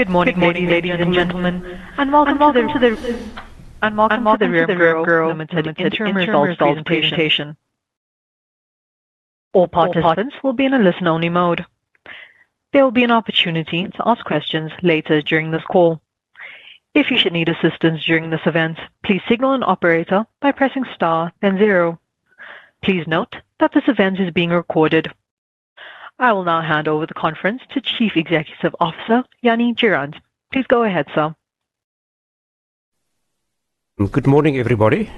Good morning, ladies and gentlemen, and welcome to the Remgro Limited interim results presentation. All participants will be in a listen-only mode. There will be an opportunity to ask questions later during this call. If you should need assistance during this event, please signal an operator by pressing star then zero. Please note that this event is being recorded. I will now hand over the conference to Chief Executive Officer Jannie Durand. Please go ahead, sir. Good morning, everybody.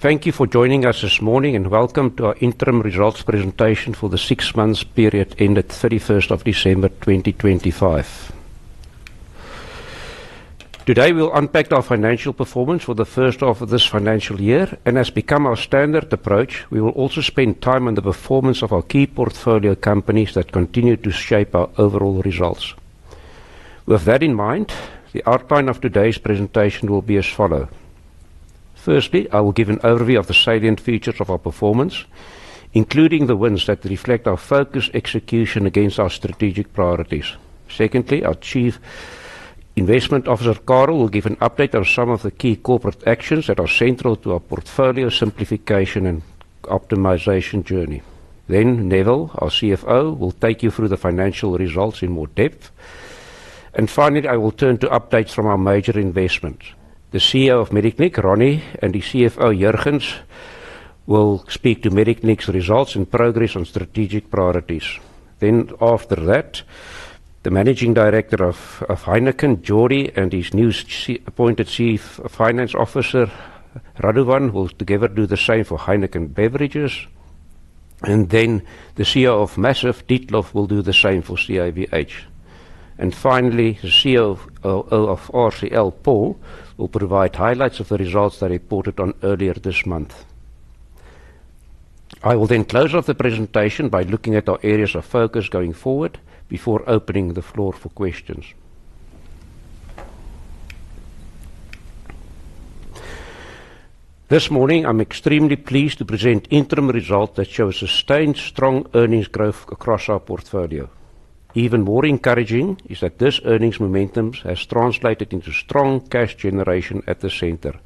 Thank you for joining us this morning, and welcome to our interim results presentation for the six months period ended 31st of December, 2025. Today, we'll unpack our financial performance for the first half of this financial year. As has become our standard approach, we will also spend time on the performance of our key portfolio companies that continue to shape our overall results. With that in mind, the outline of today's presentation will be as follows. Firstly, I will give an overview of the salient features of our performance, including the ones that reflect our focused execution against our strategic priorities. Secondly, our Chief Investment Officer, Carel, will give an update on some of the key corporate actions that are central to our portfolio simplification and optimization journey. Then Neville, our CFO, will take you through the financial results in more depth. Finally, I will turn to updates from our major investments. The CEO of Mediclinic, Ronnie, and the CFO, Jurgens, will speak to Mediclinic's results and progress on strategic priorities. The Managing Director of Heineken, Jordi, and his new appointed Chief Finance Officer, Radovan, will together do the same for Heineken Beverages. The CEO of Maziv, Dietlof, will do the same for CIVH. Finally, the CEO of RCL, Paul, will provide highlights of the results they reported on earlier this month. I will then close off the presentation by looking at our areas of focus going forward before opening the floor for questions. This morning, I'm extremely pleased to present interim results that show sustained strong earnings growth across our portfolio. Even more encouraging is that this earnings momentum has translated into strong cash generation at the center,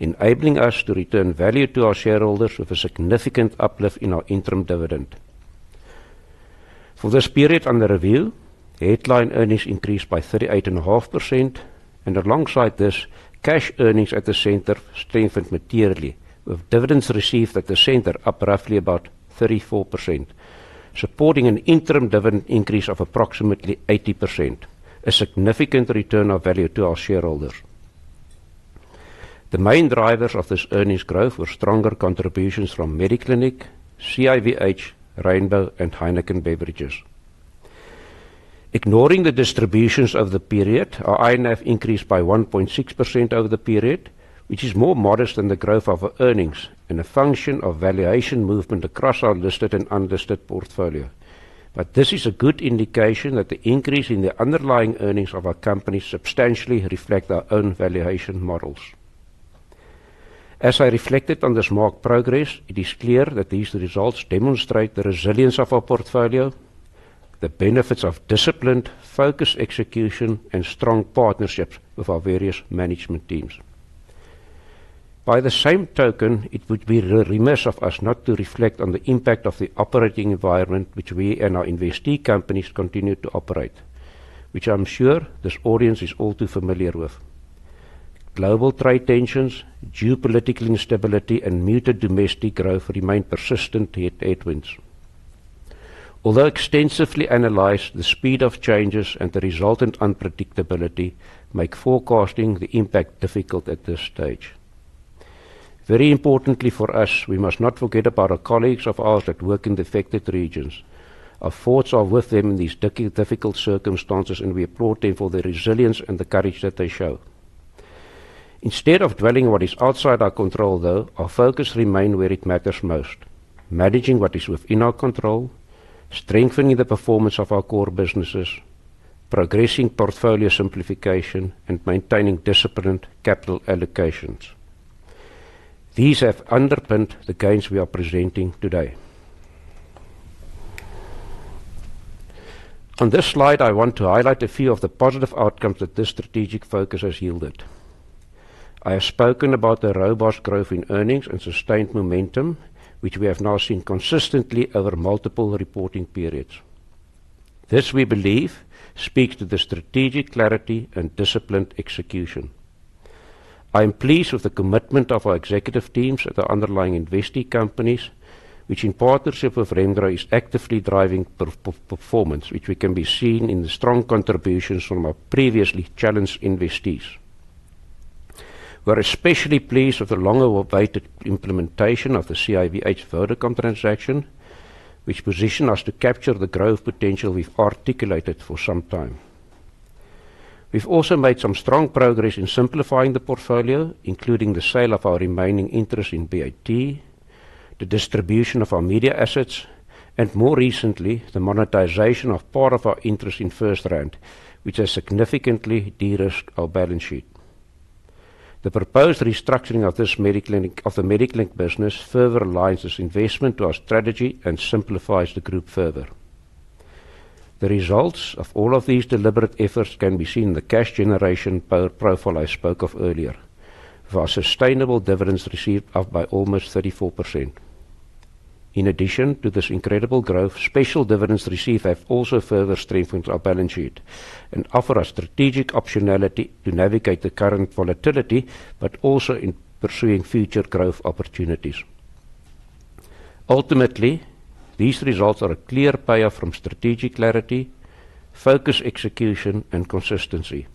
enabling us to return value to our shareholders with a significant uplift in our interim dividend. For this period under review, headline earnings increased by 38.5%. Alongside this, cash earnings at the center strengthened materially, with dividends received at the center up roughly about 34%, supporting an interim dividend increase of approximately 80%, a significant return of value to our shareholders. The main drivers of this earnings growth were stronger contributions from Mediclinic, CIVH, Rainbow, and Heineken Beverages. Ignoring the distributions of the period, our INAV increased by 1.6% over the period, which is more modest than the growth of our earnings and a function of valuation movement across our listed and unlisted portfolio. This is a good indication that the increase in the underlying earnings of our company substantially reflect our own valuation models. As I reflected on this marked progress, it is clear that these results demonstrate the resilience of our portfolio, the benefits of disciplined, focused execution, and strong partnerships with our various management teams. By the same token, it would be remiss of us not to reflect on the impact of the operating environment which we and our investee companies continue to operate, which I'm sure this audience is all too familiar with. Global trade tensions, geopolitical instability, and muted domestic growth remain persistent headwinds. Although extensively analyzed, the speed of changes and the resultant unpredictability make forecasting the impact difficult at this stage. Very importantly for us, we must not forget about our colleagues of ours that work in the affected regions. Our thoughts are with them in these difficult circumstances, and we applaud them for the resilience and the courage that they show. Instead of dwelling on what is outside our control, though, our focus remain where it matters most, managing what is within our control, strengthening the performance of our core businesses, progressing portfolio simplification, and maintaining disciplined capital allocations. These have underpinned the gains we are presenting today. On this slide, I want to highlight a few of the positive outcomes that this strategic focus has yielded. I have spoken about the robust growth in earnings and sustained momentum, which we have now seen consistently over multiple reporting periods. This, we believe, speaks to the strategic clarity and disciplined execution. I am pleased with the commitment of our executive teams at the underlying investee companies, which in partnership with Remgro, is actively driving performance, which can be seen in the strong contributions from our previously challenged investees. We're especially pleased with the long-awaited implementation of the CIVH Vodacom transaction, which positions us to capture the growth potential we've articulated for some time. We've also made some strong progress in simplifying the portfolio, including the sale of our remaining interest in BAT, the distribution of our media assets, and more recently, the monetization of part of our interest in FirstRand, which has significantly de-risked our balance sheet. The proposed restructuring of the Mediclinic business further aligns this investment to our strategy and simplifies the group further. The results of all of these deliberate efforts can be seen in the cash generation power profile I spoke of earlier. Our sustainable dividends received up by almost 34%. In addition to this incredible growth, special dividends received have also further strengthened our balance sheet and offer us strategic optionality to navigate the current volatility, but also in pursuing future growth opportunities. Ultimately, these results are a clear payoff from strategic clarity, focus, execution and consistency.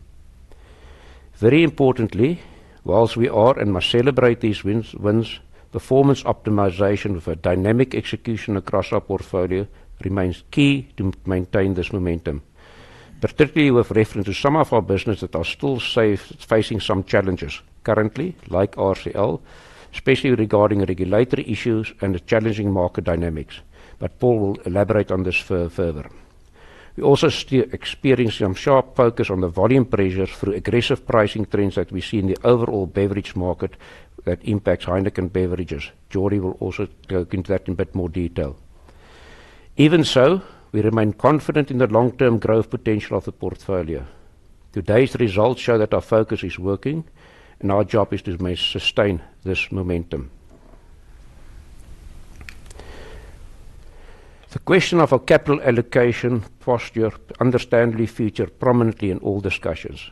Very importantly, while we are and must celebrate these wins, performance optimization with a dynamic execution across our portfolio remains key to maintain this momentum, particularly with reference to some of our businesses that are still facing some challenges currently, like RCL, especially regarding regulatory issues and the challenging market dynamics. Paul will elaborate on this further. We also still experience some sharp focus on the volume pressures through aggressive pricing trends that we see in the overall beverage market that impacts Heineken Beverages. Jordi will also go into that in a bit more detail. Even so, we remain confident in the long-term growth potential of the portfolio. Today's results show that our focus is working, and our job is to sustain this momentum. The question of our capital allocation posture understandably featured prominently in all discussions.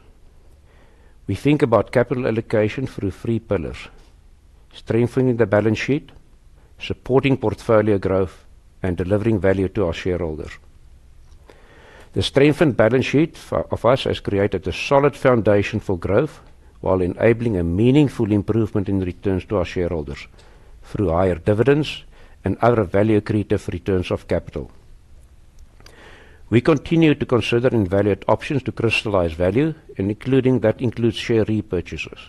We think about capital allocation through three pillars: strengthening the balance sheet, supporting portfolio growth, and delivering value to our shareholders. The strengthened balance sheet of ours has created a solid foundation for growth while enabling a meaningful improvement in returns to our shareholders through higher dividends and other value-accretive returns of capital. We continue to consider and evaluate options to crystallize value, including, that includes share repurchases.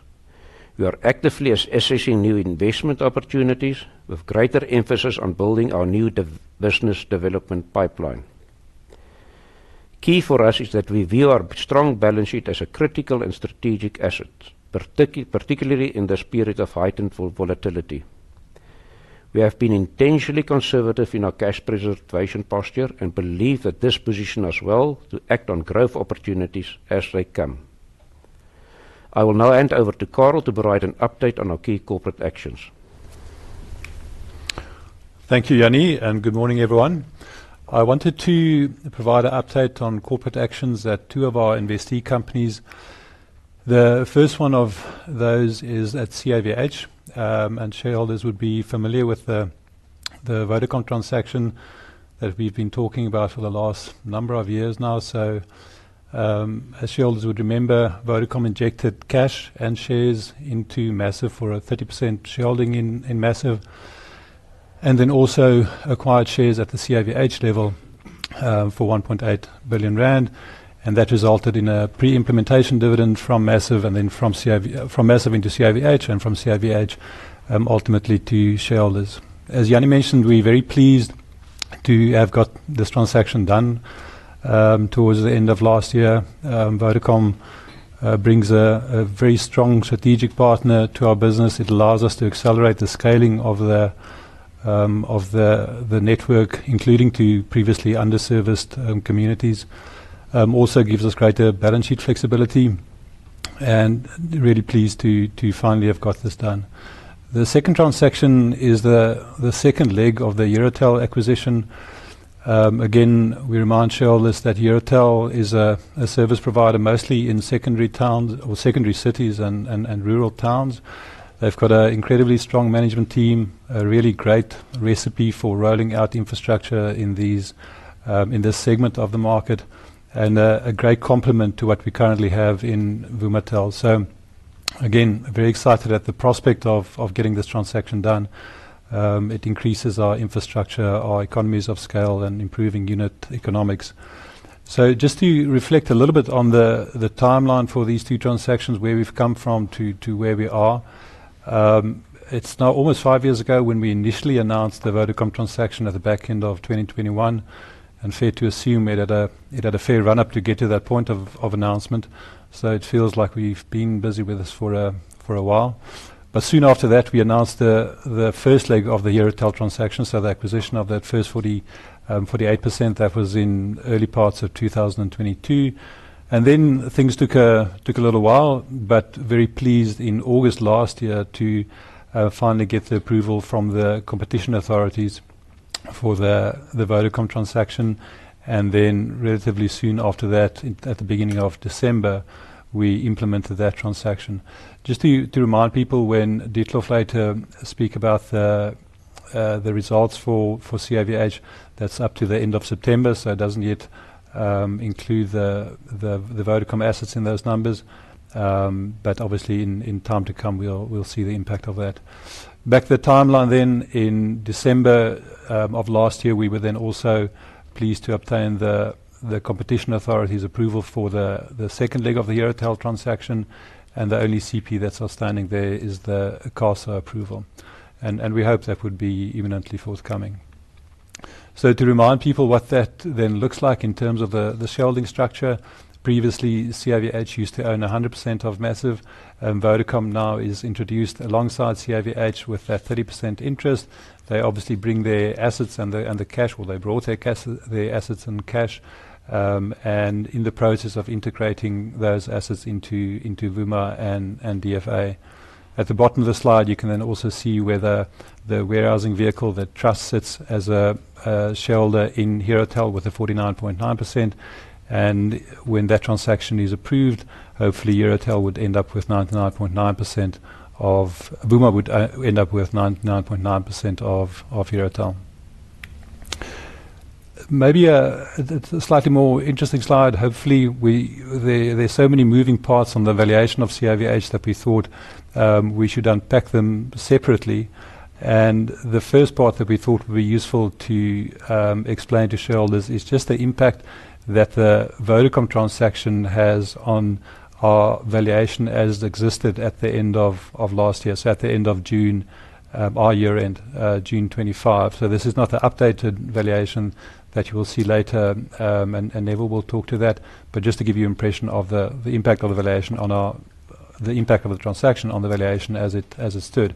We are actively assessing new investment opportunities with greater emphasis on building our new business development pipeline. Key for us is that we view our strong balance sheet as a critical and strategic asset, particularly in this period of heightened volatility. We have been intentionally conservative in our cash preservation posture and believe that this position us well to act on growth opportunities as they come. I will now hand over to Carel to provide an update on our key corporate actions. Thank you, Jannie, and good morning, everyone. I wanted to provide an update on corporate actions at two of our investee companies. The first one of those is at CIVH, and shareholders would be familiar with the Vodacom transaction that we've been talking about for the last number of years now. As shareholders would remember, Vodacom injected cash and shares into Maziv for a 30% shareholding in Maziv. Then also acquired shares at the CIVH level for 1.8 billion rand, and that resulted in a pre-implementation dividend from Maziv into CIVH and from CIVH ultimately to shareholders. As Jannie mentioned, we're very pleased to have got this transaction done towards the end of last year. Vodacom brings a very strong strategic partner to our business. It allows us to accelerate the scaling of the network, including to previously underserviced communities. Also gives us greater balance sheet flexibility and really pleased to finally have got this done. The second transaction is the second leg of the Herotel acquisition. Again, we remind shareholders that Herotel is a service provider mostly in secondary towns or secondary cities and rural towns. They've got an incredibly strong management team, a really great recipe for rolling out infrastructure in this segment of the market and a great complement to what we currently have in Vumatel. Again, very excited at the prospect of getting this transaction done. It increases our infrastructure, our economies of scale and improving unit economics. Just to reflect a little bit on the timeline for these two transactions, where we've come from to where we are. It's now almost five years ago when we initially announced the Vodacom transaction at the back end of 2021. Fair to assume it had a fair run-up to get to that point of announcement. It feels like we've been busy with this for a while. Soon after that, we announced the first leg of the Herotel transaction. The acquisition of that first 48%, that was in early parts of 2022. Then things took a little while, but very pleased in August last year to finally get the approval from the competition authorities for the Vodacom transaction. Then relatively soon after that, at the beginning of December, we implemented that transaction. Just to remind people when Dietlof later speak about the results for CIVH, that's up to the end of September, so it doesn't yet include the Vodacom assets in those numbers. But obviously in time to come, we'll see the impact of that. Back to the timeline then. In December of last year, we were then also pleased to obtain the competition authority's approval for the second leg of the Herotel transaction, and the only CP that's outstanding there is the ICASA approval. We hope that would be imminently forthcoming. To remind people what that then looks like in terms of the shareholding structure. Previously, CIVH used to own 100% of Maziv. Vodacom now is introduced alongside CIVH with a 30% interest. They obviously bring their assets and the cash. They brought their assets and cash, and in the process of integrating those assets into Vuma and DFA. At the bottom of the slide, you can then also see where the warehousing vehicle, that trust sits as a shareholder in Herotel with a 49.9%. When that transaction is approved, hopefully Vuma would end up with 99.9% of Herotel. Maybe the slightly more interesting slide. Hopefully there are so many moving parts on the valuation of CIVH that we thought we should unpack them separately. The first part that we thought would be useful to explain to shareholders is just the impact that the Vodacom transaction has on our valuation as it existed at the end of last year, so at the end of June, our year-end, June 2025. This is not the updated valuation that you will see later, and Neville will talk to that. But just to give you impression of the impact of the transaction on the valuation as it stood.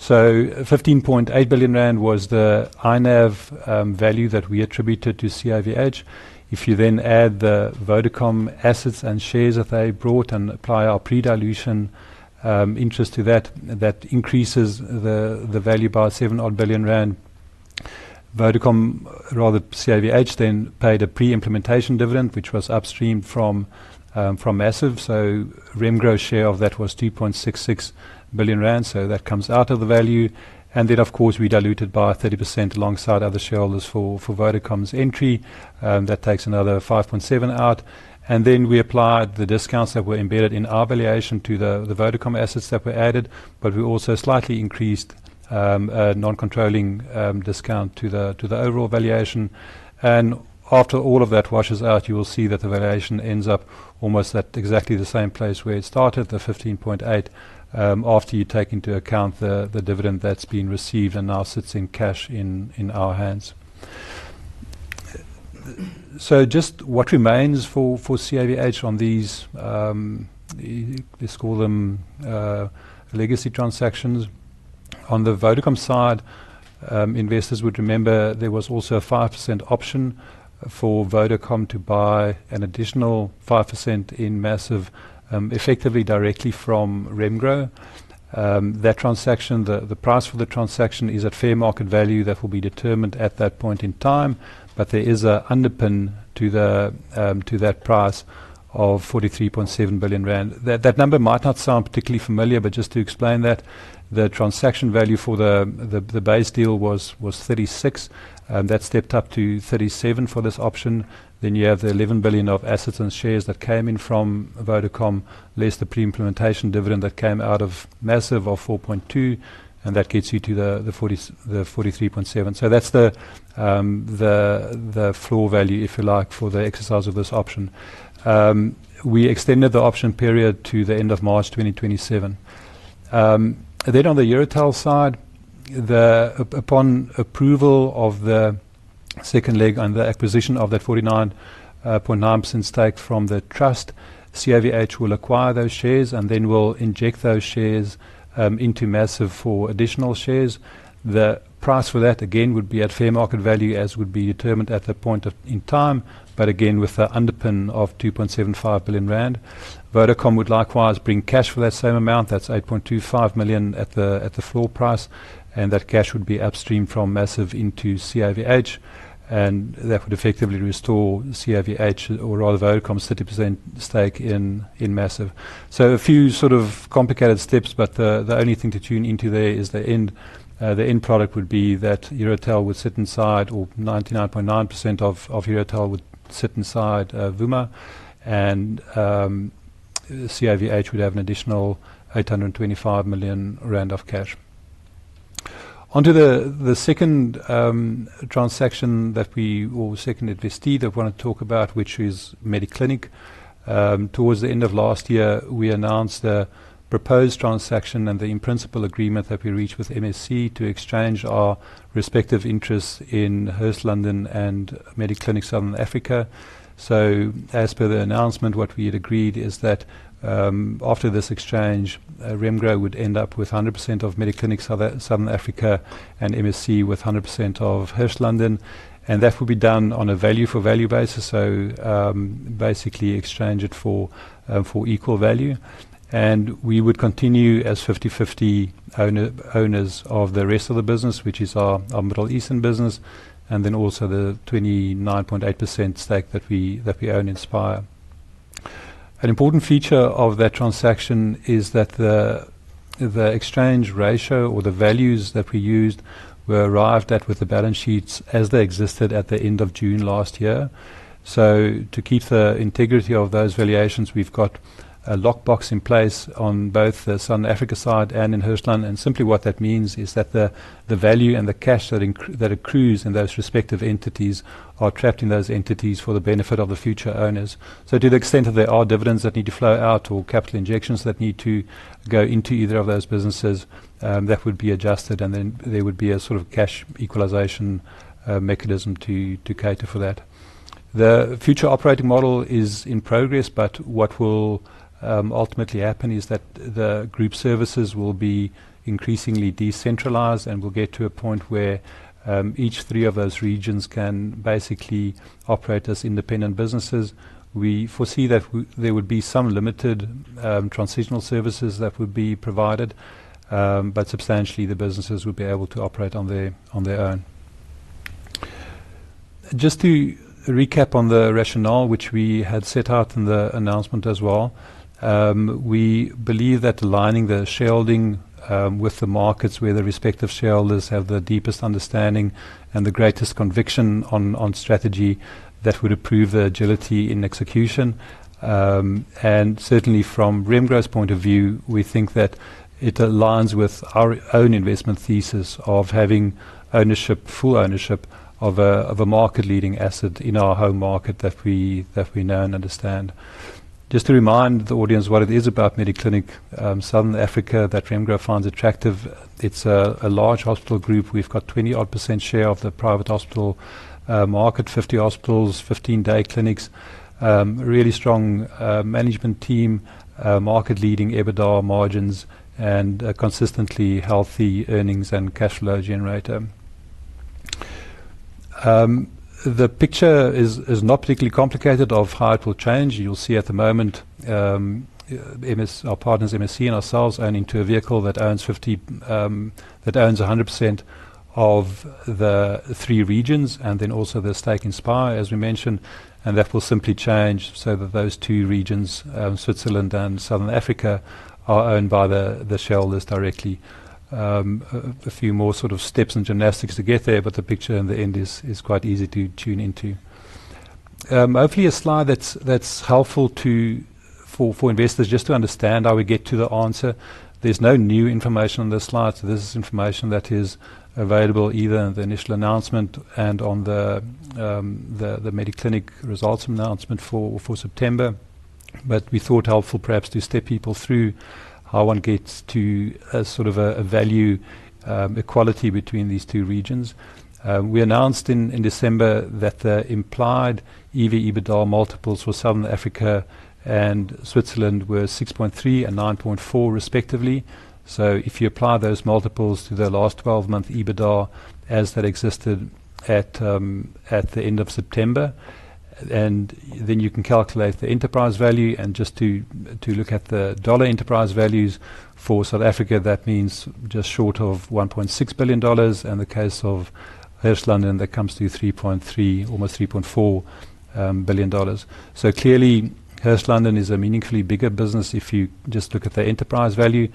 15.8 billion rand was the NAV value that we attributed to CIVH. If you then add the Vodacom assets and shares that they brought and apply our pre-dilution interest to that increases the value by 7 odd billion. Vodacom, rather CIVH, then paid a pre-implementation dividend, which was upstream from Maziv. Remgro's share of that was 2.66 billion rand, so that comes out of the value. Of course, we diluted by 30% alongside other shareholders for Vodacom's entry. That takes another 5.7 billion out. We applied the discounts that were embedded in our valuation to the Vodacom assets that were added, but we also slightly increased a non-controlling discount to the overall valuation. After all of that washes out, you will see that the valuation ends up almost at exactly the same place where it started, 15.8 billion, after you take into account the dividend that's been received and now sits in cash in our hands. Just what remains for CIVH on these, let's call them, legacy transactions. On the Vodacom side, investors would remember there was also a 5% option for Vodacom to buy an additional 5% in Maziv, effectively directly from Remgro. That transaction, the price for the transaction is at fair market value that will be determined at that point in time, but there is an underpin to that price of 43.7 billion rand. That number might not sound particularly familiar, but just to explain that, the transaction value for the base deal was 36, and that stepped up to 37 for this option. You have the 11 billion of assets and shares that came in from Vodacom, less the pre-implementation dividend that came out of Maziv of 4.2, and that gets you to the 43.7. That's the floor value, if you like, for the exercise of this option. We extended the option period to the end of March 2027. On the Herotel side, upon approval of the second leg on the acquisition of that 49.9% stake from the trust, CIVH will acquire those shares and then will inject those shares into Maziv for additional shares. The price for that, again, would be at fair market value as would be determined at that point in time, but again with the underpin of 2.75 billion rand. Vodacom would likewise bring cash for that same amount. That's 8.25 million at the floor price, and that cash would be upstream from Maziv into CIVH, and that would effectively restore CIVH or rather Vodacom's 30% stake in Maziv. A few sort of complicated steps, but the only thing to tune into there is the end product would be that Herotel would sit inside, or 99.9% of Herotel would sit inside Vuma, and CIVH would have an additional 825 million rand of cash. Onto the second asset deal I wanna talk about, which is Mediclinic. Towards the end of last year, we announced a proposed transaction and the in principle agreement that we reached with MSC to exchange our respective interests in Hirslanden and Mediclinic Southern Africa. As per the announcement, what we had agreed is that, after this exchange, Remgro would end up with 100% of Mediclinic Southern Africa and MSC with 100% of Hirslanden, and that would be done on a value for value basis. Basically exchange it for equal value. We would continue as 50/50 owner, owners of the rest of the business, which is our Middle Eastern business, and then also the 29.8% stake that we own in Spire. An important feature of that transaction is that the exchange ratio or the values that we used were arrived at with the balance sheets as they existed at the end of June last year. To keep the integrity of those valuations, we've got a lockbox in place on both the Southern Africa side and in Hirslanden. Simply what that means is that the value and the cash that accrues in those respective entities are trapped in those entities for the benefit of the future owners. To the extent that there are dividends that need to flow out or capital injections that need to go into either of those businesses, that would be adjusted and then there would be a sort of cash equalization mechanism to cater for that. The future operating model is in progress, but what will ultimately happen is that the group services will be increasingly decentralized and will get to a point where each of the three regions can basically operate as independent businesses. We foresee that there would be some limited transitional services that would be provided, but substantially the businesses would be able to operate on their own. Just to recap on the rationale which we had set out in the announcement as well. We believe that aligning the shareholding with the markets where the respective shareholders have the deepest understanding and the greatest conviction on strategy that would improve the agility in execution. Certainly from Remgro's point of view, we think that it aligns with our own investment thesis of having ownership, full ownership of a market-leading asset in our home market that we know and understand. Just to remind the audience what it is about Mediclinic Southern Africa that Remgro finds attractive. It's a large hospital group. We've got 20-odd% share of the private hospital market, 50 hospitals, 15 day clinics. Really strong management team, market-leading EBITDA margins and a consistently healthy earnings and cash flow generator. The picture is not particularly complicated of how it will change. You'll see at the moment, MSC, our partners, MSC and ourselves owning 50% through a vehicle that owns 100% of the three regions and then also the stake in Spire, as we mentioned. That will simply change so that those two regions, Switzerland and Southern Africa, are owned by the shareholders directly. A few more sort of steps and gymnastics to get there, but the picture in the end is quite easy to tune into. Hopefully a slide that's helpful for investors just to understand how we get to the answer. There's no new information on this slide. This is information that is available either in the initial announcement and on the Mediclinic results announcement for September. We thought helpful perhaps to step people through how one gets to a sort of value equality between these two regions. We announced in December that the implied EV/EBITDA multiples for Southern Africa and Switzerland were 6.3 and 9.4 respectively. If you apply those multiples to the last 12-month EBITDA as that existed at the end of September, then you can calculate the enterprise value and just to look at the dollar enterprise values for South Africa, that means just short of $1.6 billion. In the case of Hirslanden, that comes to $3.3 billion, almost $3.4 billion. Clearly, Hirslanden is a meaningfully bigger business if you just look at the enterprise value.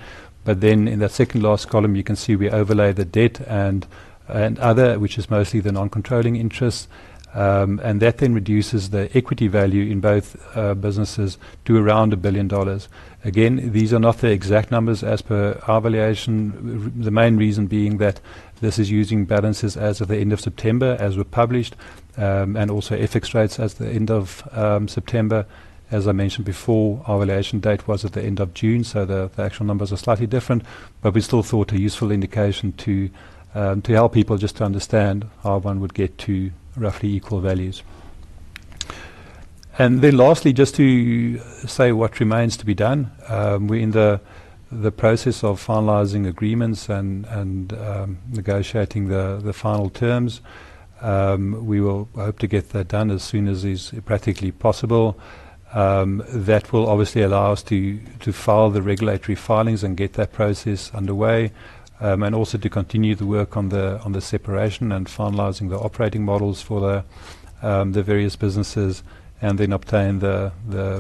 In that second last column, you can see we overlay the debt and other, which is mostly the non-controlling interest. That then reduces the equity value in both businesses to around $1 billion. Again, these are not the exact numbers as per our valuation. The main reason being that this is using balances as of the end of September, as were published, and also FX rates as the end of September. As I mentioned before, our valuation date was at the end of June, so the actual numbers are slightly different. We still thought a useful indication to help people just to understand how one would get to roughly equal values. Then lastly, just to say what remains to be done. We're in the process of finalizing agreements and negotiating the final terms. We will hope to get that done as soon as is practically possible. That will obviously allow us to file the regulatory filings and get that process underway and also to continue the work on the separation and finalizing the operating models for the various businesses, and then obtain the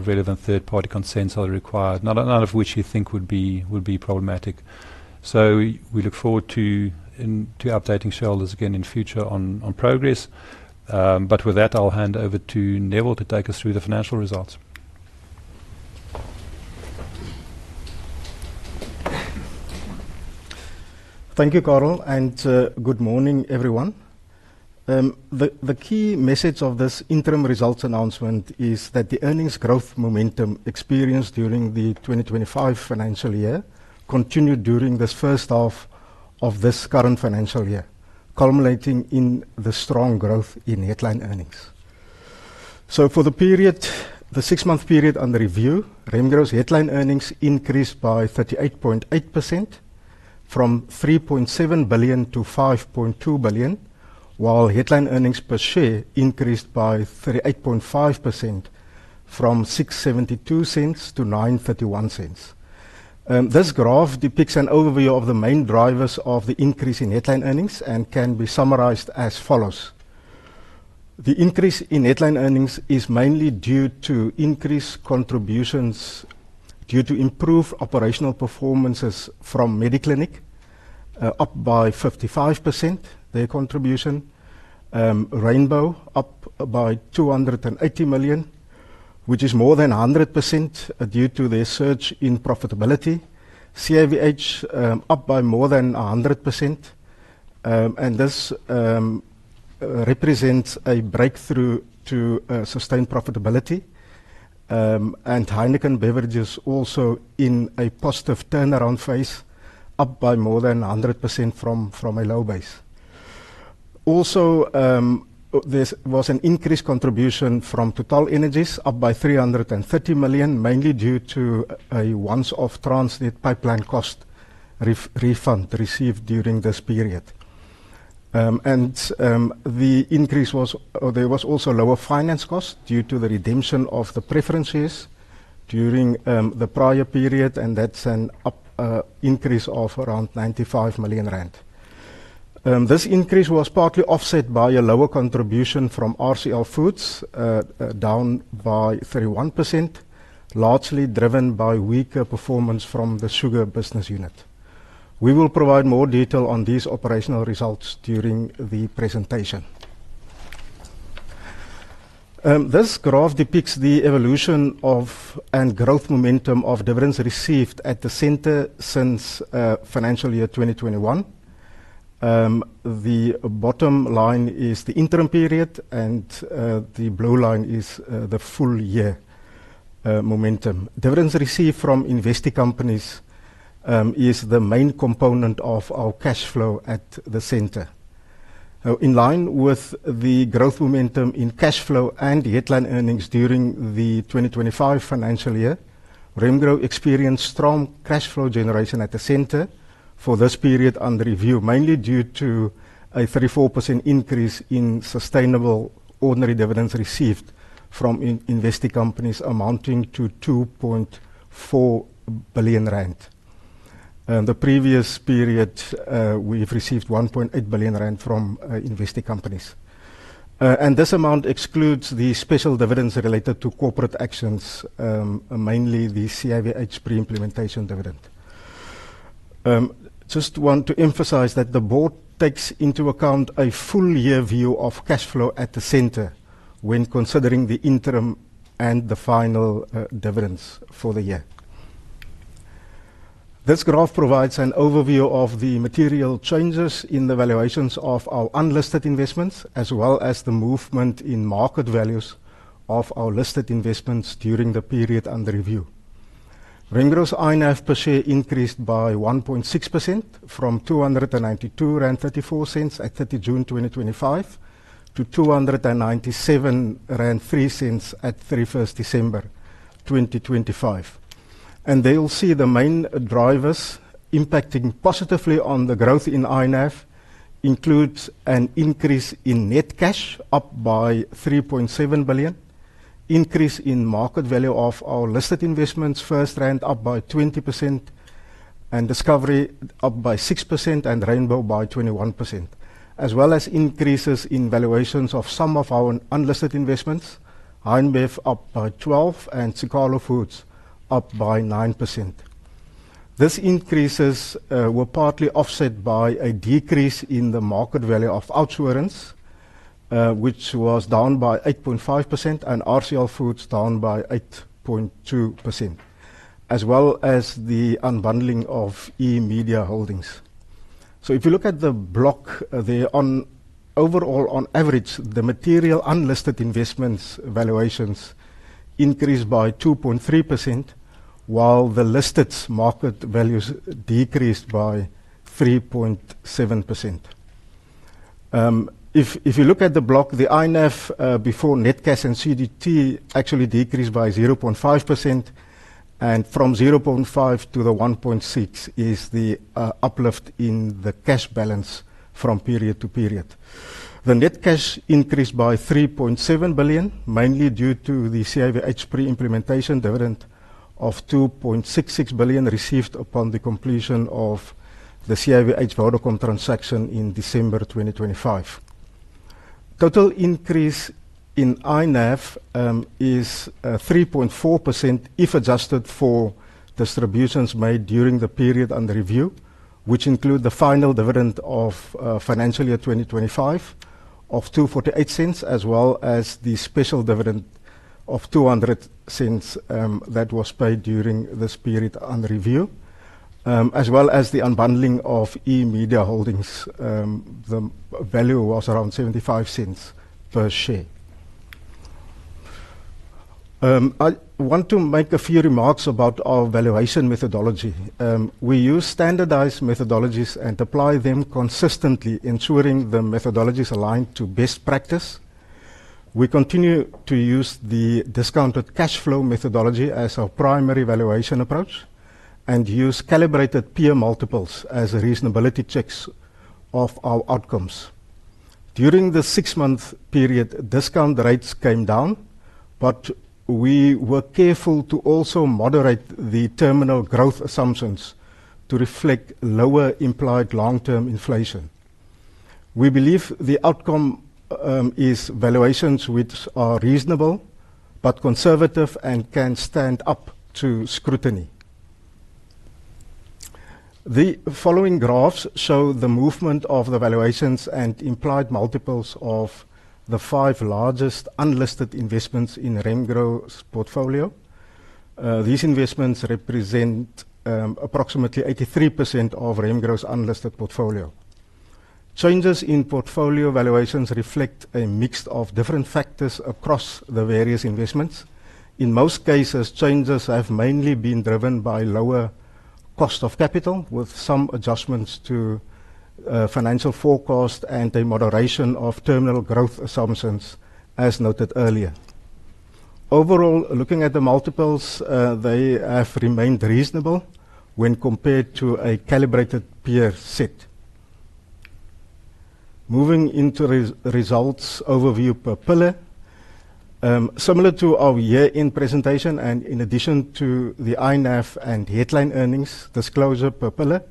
relevant third-party consents that are required. None of which you think would be problematic. We look forward to updating shareholders again in future on progress. With that, I'll hand over to Neville to take us through the financial results. Thank you, Carel, and good morning, everyone. The key message of this interim results announcement is that the earnings growth momentum experienced during the 2025 financial year continued during this first half of this current financial year, culminating in the strong growth in headline earnings. For the period, the six-month period under review, Remgro's headline earnings increased by 38.8% from 3.7 billion-5.2 billion, while headline earnings per share increased by 38.5% from 6.72-9.31. This graph depicts an overview of the main drivers of the increase in headline earnings and can be summarized as follows. The increase in headline earnings is mainly due to increased contributions due to improved operational performances from Mediclinic, up by 55% their contribution. Rainbow up by 280 million, which is more than 100% due to their surge in profitability. CIVH up by more than 100%, and this represents a breakthrough to sustained profitability. Heineken Beverages also in a positive turnaround phase, up by more than 100% from a low base. Also, these was an increased contribution from TotalEnergies, up by 330 million, mainly due to a once-off Transnet pipeline cost refund received during this period. There was also lower finance cost due to the redemption of the preferences during the prior period, and that's an increase of around 95 million rand. This increase was partly offset by a lower contribution from RCL Foods, down by 31%, largely driven by weaker performance from the sugar business unit. We will provide more detail on these operational results during the presentation. This graph depicts the evolution of and growth momentum of dividends received at the center since financial year 2021. The bottom line is the interim period and the blue line is the full year momentum. Dividends received from investee companies is the main component of our cash flow at the center. In line with the growth momentum in cash flow and headline earnings during the 2025 financial year, Remgro experienced strong cash flow generation at the center for this period under review, mainly due to a 3%-4% increase in sustainable ordinary dividends received from investee companies amounting to 2.4 billion rand. The previous period, we've received 1.8 billion rand from investee companies. This amount excludes the special dividends related to corporate actions, mainly the CIVH pre-implementation dividend. Just want to emphasize that the board takes into account a full year view of cash flow at the center when considering the interim and the final dividends for the year. This graph provides an overview of the material changes in the valuations of our unlisted investments, as well as the movement in market values of our listed investments during the period under review. Remgro's INAV per share increased by 1.6% from 292.34 rand at 30 June 2025 to 297.03 rand at 31st December 2025. There you'll see the main drivers impacting positively on the growth in INAV includes an increase in net cash, up by 3.7 billion, increase in market value of our listed investments, FirstRand up by 20% and Discovery up by 6% and Rainbow by 21%, as well as increases in valuations of some of our unlisted investments. Heineken Beverages up by 12% and Siqalo Foods up by 9%. These increases were partly offset by a decrease in the market value of OUTsurance, which was down by 8.5% and RCL Foods down by 8.2%, as well as the unbundling of eMedia Holdings. If you look at the block, overall, on average, the material unlisted investments valuations increased by 2.3%, while the listed's market values decreased by 3.7%. If you look at the block, the INAV before net cash and CGT actually decreased by 0.5%, and from 0.5 to the 1.6 is the uplift in the cash balance from period to period. The net cash increased by 3.7 billion, mainly due to the CIVH pre-implementation dividend of 2.66 billion received upon the completion of the CIVH Vodacom transaction in December 2025. Total increase in INAV is 3.4% if adjusted for distributions made during the period under review, which include the final dividend of financial year 2025 of 2.48, as well as the special dividend of 2.00 that was paid during this period under review, as well as the unbundling of eMedia Holdings. The value was around 0.75 per share. I want to make a few remarks about our valuation methodology. We use standardized methodologies and apply them consistently, ensuring the methodology is aligned to best practice. We continue to use the discounted cash flow methodology as our primary valuation approach and use calibrated peer multiples as reasonability checks of our outcomes. During the six-month period, discount rates came down. We were careful to also moderate the terminal growth assumptions to reflect lower implied long-term inflation. We believe the outcome is valuations which are reasonable but conservative and can stand up to scrutiny. The following graphs show the movement of the valuations and implied multiples of the five largest unlisted investments in Remgro's portfolio. These investments represent approximately 83% of Remgro's unlisted portfolio. Changes in portfolio valuations reflect a mix of different factors across the various investments. In most cases, changes have mainly been driven by lower cost of capital, with some adjustments to financial forecast and a moderation of terminal growth assumptions, as noted earlier. Overall, looking at the multiples, they have remained reasonable when compared to a calibrated peer set. Moving into results overview per pillar. Similar to our year-end presentation, in addition to the INAV and headline earnings disclosure per pillar,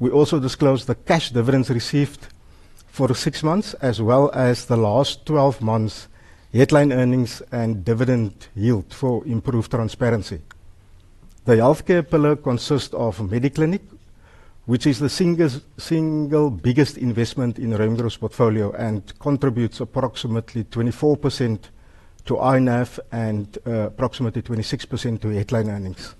we also disclose the cash dividends received for six months as well as the last 12 months' headline earnings and dividend yield for improved transparency. The healthcare pillar consists of Mediclinic, which is the single biggest investment in Remgro's portfolio and contributes approximately 24% to INAV and approximately 26% to headline earnings.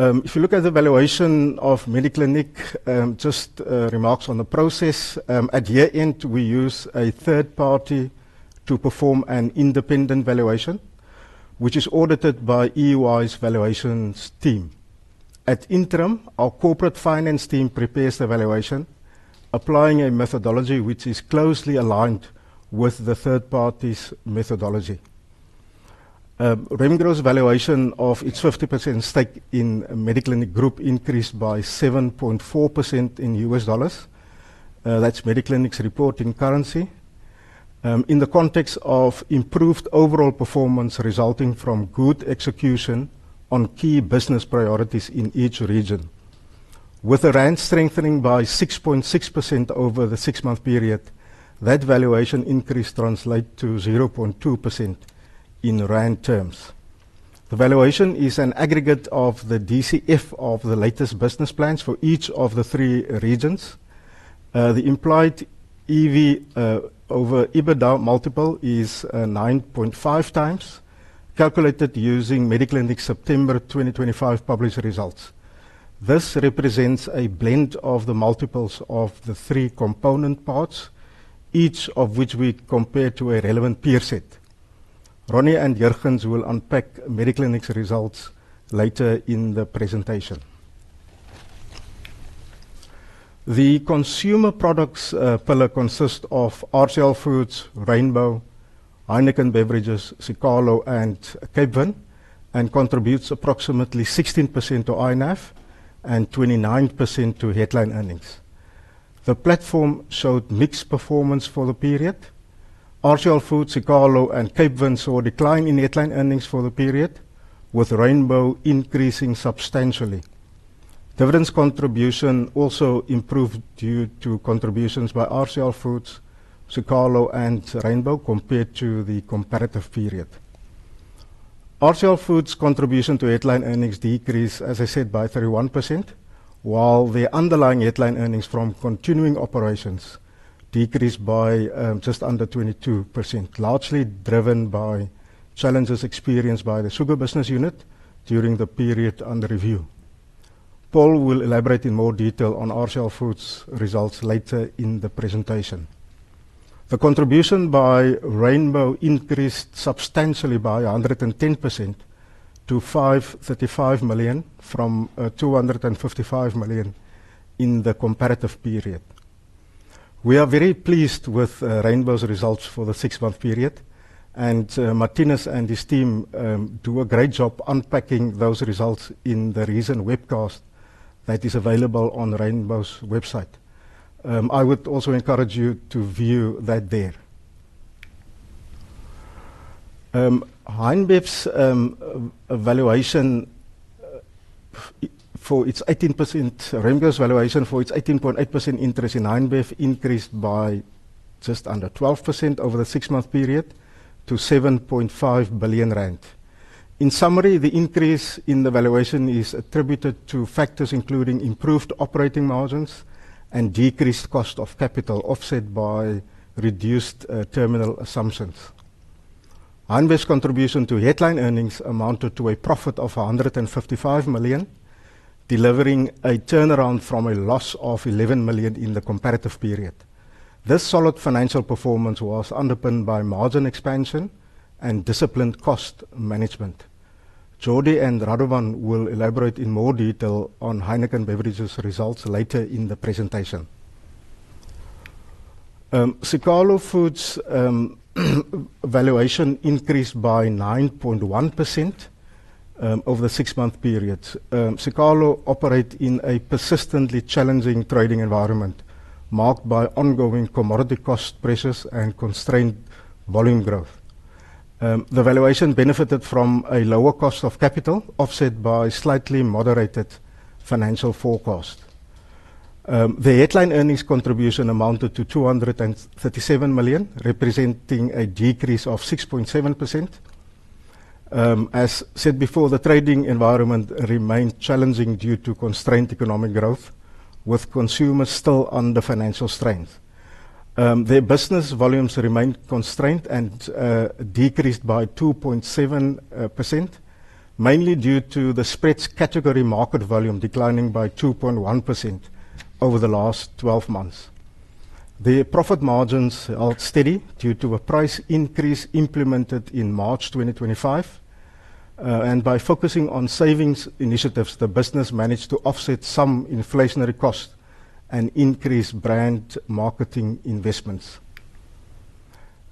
If you look at the valuation of Mediclinic, just remarks on the process. At year-end, we use a third party to perform an independent valuation, which is audited by EY's valuations team. At interim, our corporate finance team prepares the valuation, applying a methodology which is closely aligned with the third party's methodology. Remgro's valuation of its 50% stake in Mediclinic Group increased by 7.4% in U.S. dollars. That's Mediclinic's reporting currency. In the context of improved overall performance resulting from good execution on key business priorities in each region. With the rand strengthening by 6.6% over the six-month period, that valuation increase translate to 0.2% in rand terms. The valuation is an aggregate of the DCF of the latest business plans for each of the three regions. The implied EV/EBITDA multiple is 9.5x, calculated using Mediclinic's September 2025 published results. This represents a blend of the multiples of the three component parts, each of which we compare to a relevant peer set. Ronnie and Jurgens will unpack Mediclinic's results later in the presentation. The consumer products pillar consists of RCL Foods, Rainbow, Heineken Beverages, Siqalo, and Capevin, and contributes approximately 16% to INAV and 29% to headline earnings. The platform showed mixed performance for the period. RCL Foods, Siqalo, and Capevin saw a decline in headline earnings for the period, with Rainbow increasing substantially. Dividends contribution also improved due to contributions by RCL Foods, Siqalo, and Rainbow compared to the comparative period. RCL Foods' contribution to headline earnings decreased, as I said, by 31%, while the underlying headline earnings from continuing operations decreased by just under 22%, largely driven by challenges experienced by the sugar business unit during the period under review. Paul will elaborate in more detail on RCL Foods' results later in the presentation. The contribution by Rainbow increased substantially by 110% to 535 million from 255 million in the comparative period. We are very pleased with Rainbow's results for the six-month period, and Marthinus and his team do a great job unpacking those results in the recent webcast that is available on Rainbow's website. I would also encourage you to view that there. Heineken Beverages' valuation for its 18.8% interest—Remgro's valuation for its 18.8% interest in Heineken Beverages increased by just under 12% over the six-month period to 7.5 billion rand. In summary, the increase in the valuation is attributed to factors including improved operating margins and decreased cost of capital offset by reduced terminal assumptions. HeinBev's contribution to headline earnings amounted to a profit of 155 million, delivering a turnaround from a loss of 11 million in the comparative period. This solid financial performance was underpinned by margin expansion and disciplined cost management. Jordi and Radovan will elaborate in more detail on Heineken Beverages' results later in the presentation. Siqalo Foods' valuation increased by 9.1% over the six-month period. Siqalo operate in a persistently challenging trading environment marked by ongoing commodity cost pressures and constrained volume growth. The valuation benefited from a lower cost of capital, offset by slightly moderated financial forecast. The headline earnings contribution amounted to 237 million, representing a decrease of 6.7%. As said before, the trading environment remained challenging due to constrained economic growth, with consumers still under financial strain. Their business volumes remained constrained and decreased by 2.7%, mainly due to the spreads category market volume declining by 2.1% over the last 12 months. Their profit margins held steady due to a price increase implemented in March 2025. By focusing on savings initiatives, the business managed to offset some inflationary costs and increase brand marketing investments.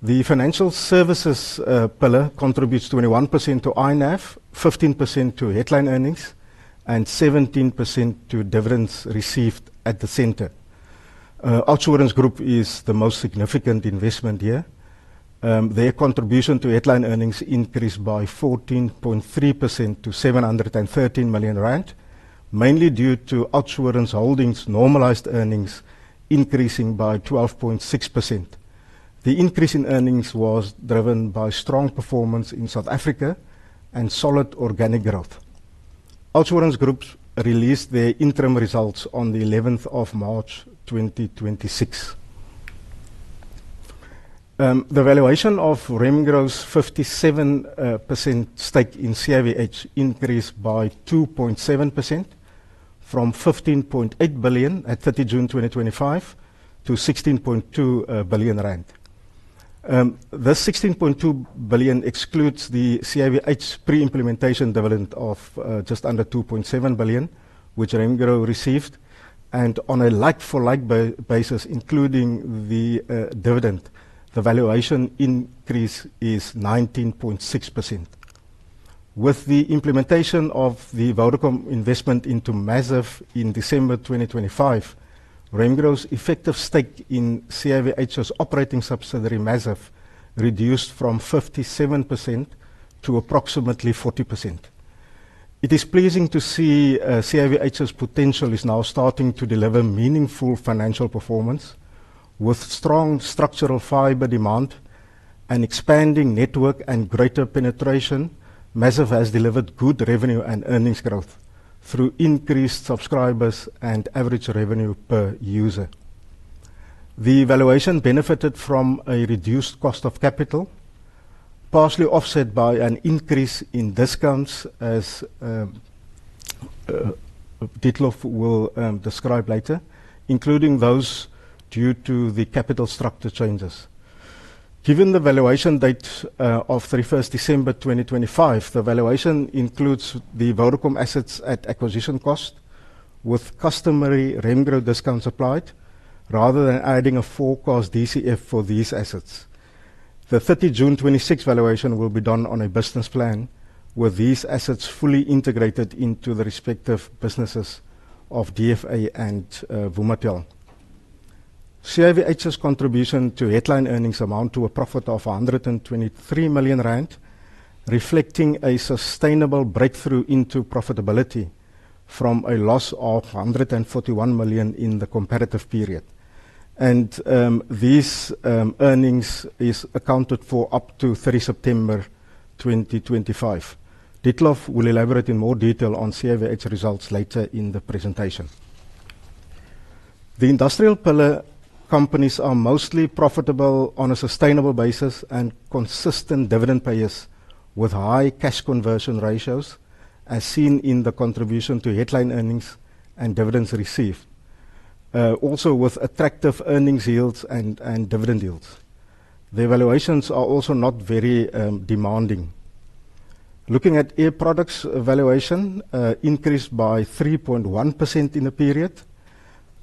The financial services pillar contributes 21% to INAV, 15% to headline earnings and 17% to dividends received at the center. OUTsurance Group is the most significant investment here. Their contribution to headline earnings increased by 14.3% to 713 million rand, mainly due to OUTsurance Holdings' normalized earnings increasing by 12.6%. The increase in earnings was driven by strong performance in South Africa and solid organic growth. OUTsurance Group released their interim results on the 11th of March 2026. The valuation of Remgro's 57% stake in CIVH increased by 2.7% from 15.8 billion at 30 June 2025 to 16.2 billion rand. This 16.2 billion excludes the CIVH pre-implementation dividend of just under 2.7 billion, which Remgro received. On a like-for-like basis, including the dividend, the valuation increase is 19.6%. With the implementation of the Vodacom investment into Maziv in December 2025, Remgro's effective stake in CIVH's operating subsidiary, Maziv, reduced from 57% to approximately 40%. It is pleasing to see, CIVH's potential is now starting to deliver meaningful financial performance with strong structural fiber demand and expanding network and greater penetration. Maziv has delivered good revenue and earnings growth through increased subscribers and average revenue per user. The valuation benefited from a reduced cost of capital, partially offset by an increase in discounts as, Dietlof will, describe later, including those due to the capital structure changes. Given the valuation date, of 31st December 2025, the valuation includes the Vodacom assets at acquisition cost with customary Remgro discounts applied. Rather than adding a forecast DCF for these assets. The 30 June 2026 valuation will be done on a business plan with these assets fully integrated into the respective businesses of DFA and Vumatel. CIVH's contribution to headline earnings amount to a profit of 123 million rand, reflecting a sustainable breakthrough into profitability from a loss of 141 million in the comparative period. These earnings is accounted for up to 3 September 2025. Dietlof will elaborate in more detail on CIVH's results later in the presentation. The industrial pillar companies are mostly profitable on a sustainable basis and consistent dividend payers with high cash conversion ratios, as seen in the contribution to headline earnings and dividends received. Also with attractive earnings yields and dividend yields. The valuations are also not very demanding. Looking at Air Products' valuation, increased by 3.1% in the period.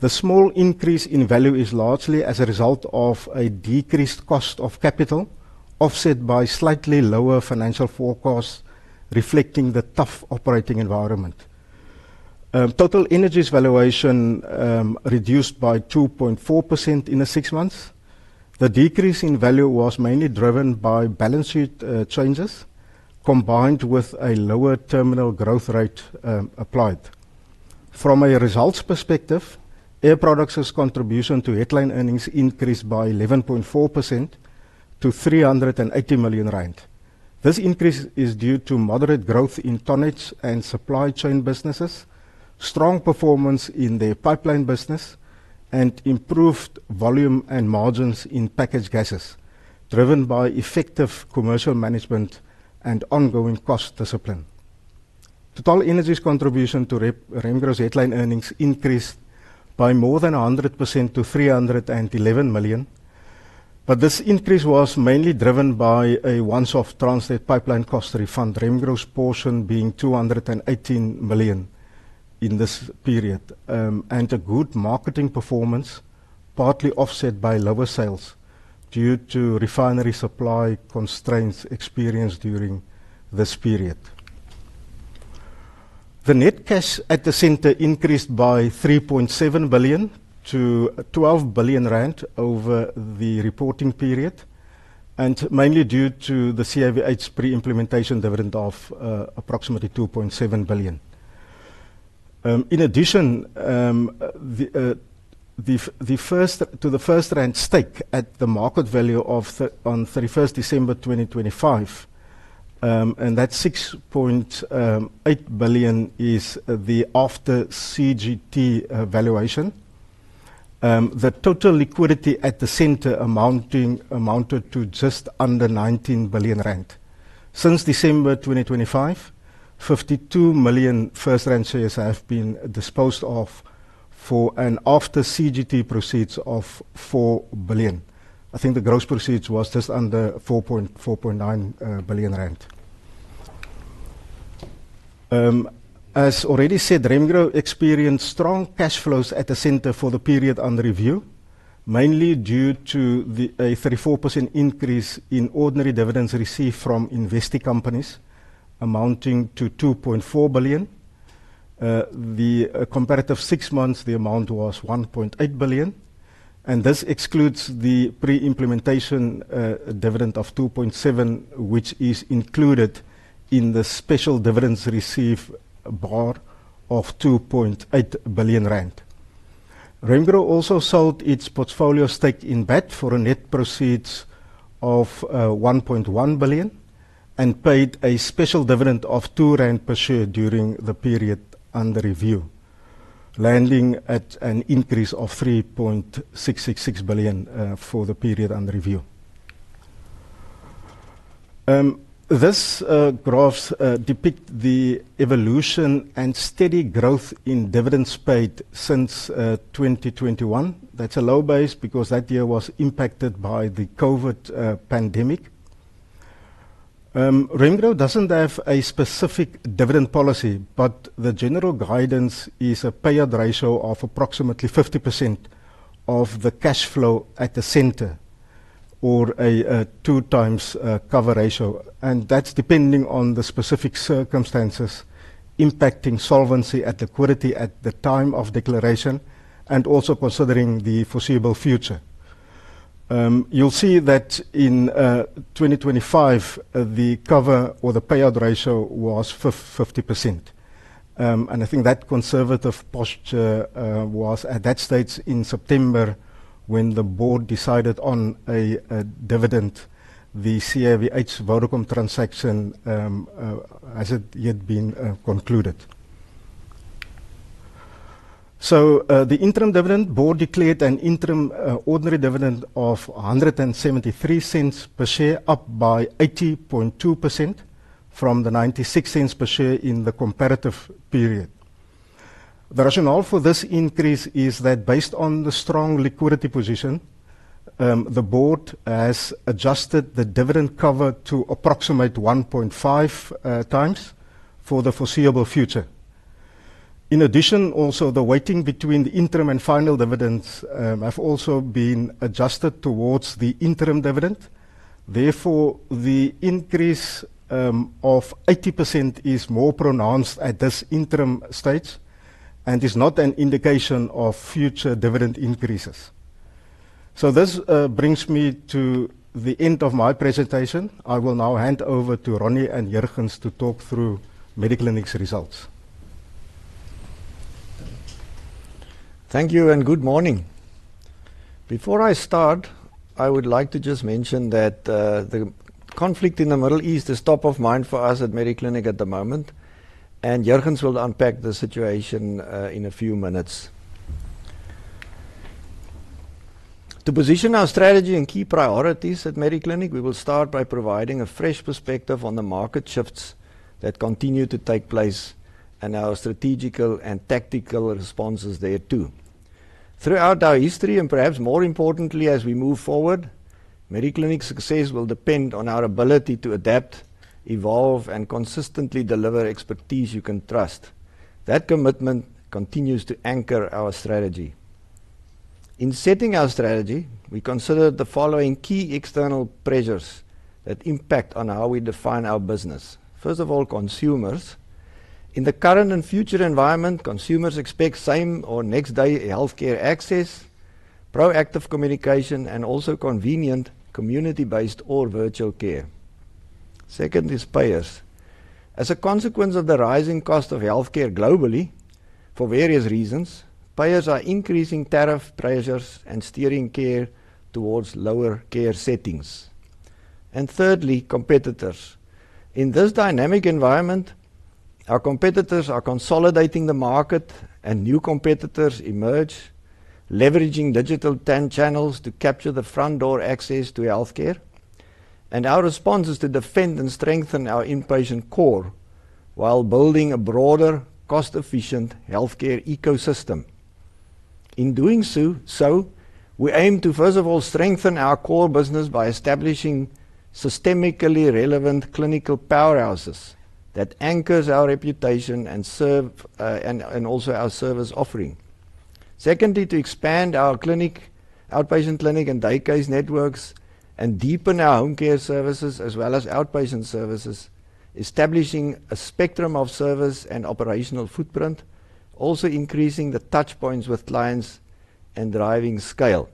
The small increase in value is largely as a result of a decreased cost of capital, offset by slightly lower financial forecasts reflecting the tough operating environment. TotalEnergies' valuation reduced by 2.4% in the six months. The decrease in value was mainly driven by balance sheet changes, combined with a lower terminal growth rate applied. From a results perspective, Air Products' contribution to headline earnings increased by 11.4% to 380 million rand. This increase is due to moderate growth in tonnage and supply chain businesses, strong performance in their pipeline business, and improved volume and margins in packaged gases, driven by effective commercial management and ongoing cost discipline. TotalEnergies' contribution to Remgro's headline earnings increased by more than 100% to 311 million. This increase was mainly driven by a once-off Transnet Pipelines cost refund, Remgro's portion being 218 million in this period, and a good marketing performance partly offset by lower sales due to refinery supply constraints experienced during this period. The net cash at the center increased by 3.7 billion to 12 billion rand over the reporting period, mainly due to the CIVH pre-implementation dividend of approximately 2.7 billion. In addition, the FirstRand stake at the market value of 6.8 billion on 31st December 2025 is the after CGT valuation. The total liquidity at the center amounting to just under 19 billion rand. Since December 2025, 52 million rand shares have been disposed of for after CGT proceeds of 4 billion. I think the gross proceeds was just under 4.9 billion rand. As already said, Remgro experienced strong cash flows at the center for the period under review, mainly due to a 34% increase in ordinary dividends received from investee companies amounting to 2.4 billion. In the comparative six months the amount was 1.8 billion, and this excludes the pre-implementation dividend of 2.7, which is included in the special dividends received total of 2.8 billion rand. Remgro also sold its portfolio stake in BAT for net proceeds of 1.1 billion and paid a special dividend of 2 rand per share during the period under review, landing at an increase of 3.666 billion for the period under review. This graphs depict the evolution and steady growth in dividends paid since 2021. That's a low base because that year was impacted by the COVID pandemic. Remgro doesn't have a specific dividend policy, but the general guidance is a payout ratio of approximately 50% of the cash flow at the center or a 2x cover ratio, and that's depending on the specific circumstances impacting solvency and liquidity at the time of declaration and also considering the foreseeable future. You'll see that in 2025, the cover or the payout ratio was 50%. I think that conservative posture was at that stage in September when the board decided on a dividend, the CIVH Vodacom transaction, whether it had yet been concluded. The interim dividend board declared an interim ordinary dividend of 1.73 per share, up by 80.2% from the 0.96 per share in the comparative period. The rationale for this increase is that based on the strong liquidity position, the board has adjusted the dividend cover to approximate 1.5 times for the foreseeable future. In addition, also the weighting between the interim and final dividends have also been adjusted towards the interim dividend. Therefore, the increase of 80% is more pronounced at this interim stage and is not an indication of future dividend increases. This brings me to the end of my presentation. I will now hand over to Ronnie and Jurgens to talk through Mediclinic's results. Thank you and good morning. Before I start, I would like to just mention that the conflict in the Middle East is top of mind for us at Mediclinic at the moment, and Jurgens will unpack the situation in a few minutes. To position our strategy and key priorities at Mediclinic, we will start by providing a fresh perspective on the market shifts that continue to take place and our strategical and tactical responses thereto. Throughout our history, and perhaps more importantly, as we move forward, Mediclinic's success will depend on our ability to adapt, evolve, and consistently deliver expertise you can trust. That commitment continues to anchor our strategy. In setting our strategy, we consider the following key external pressures that impact on how we define our business. First of all, consumers. In the current and future environment, consumers expect same or next day healthcare access, proactive communication, and also convenient community-based or virtual care. Second is payers. As a consequence of the rising cost of healthcare globally for various reasons, payers are increasing tariff pressures and steering care towards lower care settings. Thirdly, competitors. In this dynamic environment, our competitors are consolidating the market and new competitors emerge, leveraging digital tech channels to capture the front door access to healthcare. Our response is to defend and strengthen our inpatient core while building a broader cost-efficient healthcare ecosystem. In doing so, we aim to, first of all, strengthen our core business by establishing systemically relevant clinical powerhouses that anchors our reputation and serve also our service offering. Second, to expand our clinic, outpatient clinic, and daycase networks and deepen our home care services as well as outpatient services, establishing a spectrum of service and operational footprint, also increasing the touchpoints with clients and driving scale.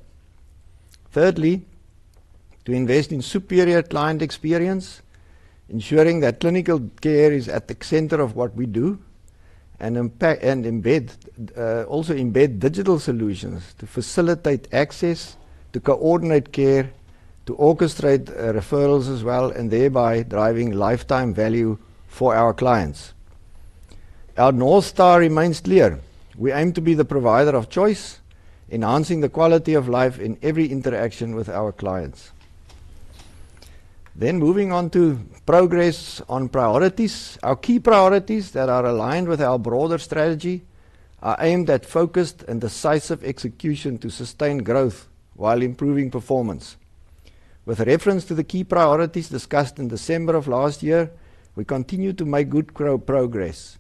Third, to invest in superior client experience, ensuring that clinical care is at the center of what we do and embed, also embed digital solutions to facilitate access, to coordinate care, to orchestrate referrals as well, and thereby driving lifetime value for our clients. Our North Star remains clear. We aim to be the provider of choice, enhancing the quality of life in every interaction with our clients. Moving on to progress on priorities. Our key priorities that are aligned with our broader strategy are aimed at focused and decisive execution to sustain growth while improving performance. With reference to the key priorities discussed in December of last year, we continue to make good growth progress.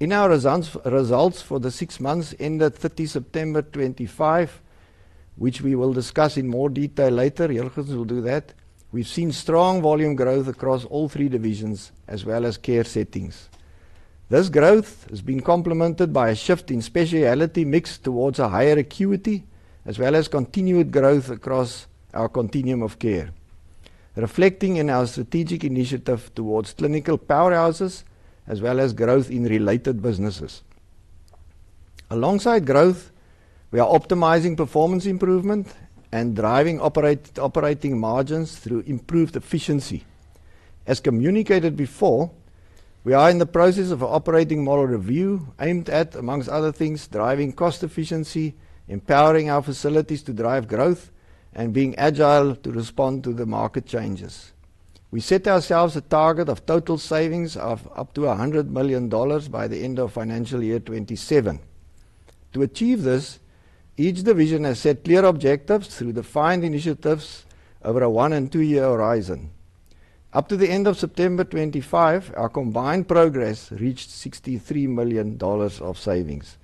In our results for the six months ended 30 September 2025, which we will discuss in more detail later, Jurgens will do that, we've seen strong volume growth across all three divisions as well as care settings. This growth has been complemented by a shift in specialty mix towards a higher acuity, as well as continued growth across our continuum of care, reflecting in our strategic initiative towards clinical powerhouses as well as growth in related businesses. Alongside growth, we are optimizing performance improvement and driving operating margins through improved efficiency. As communicated before, we are in the process of an operating model review aimed at, among other things, driving cost efficiency, empowering our facilities to drive growth, and being agile to respond to the market changes. We set ourselves a target of total savings of up to $100 million by the end of Financial Year 2027. To achieve this, each division has set clear objectives through defined initiatives over a one- and two-year horizon. Up to the end of September 2025, our combined progress reached $63 million of savings.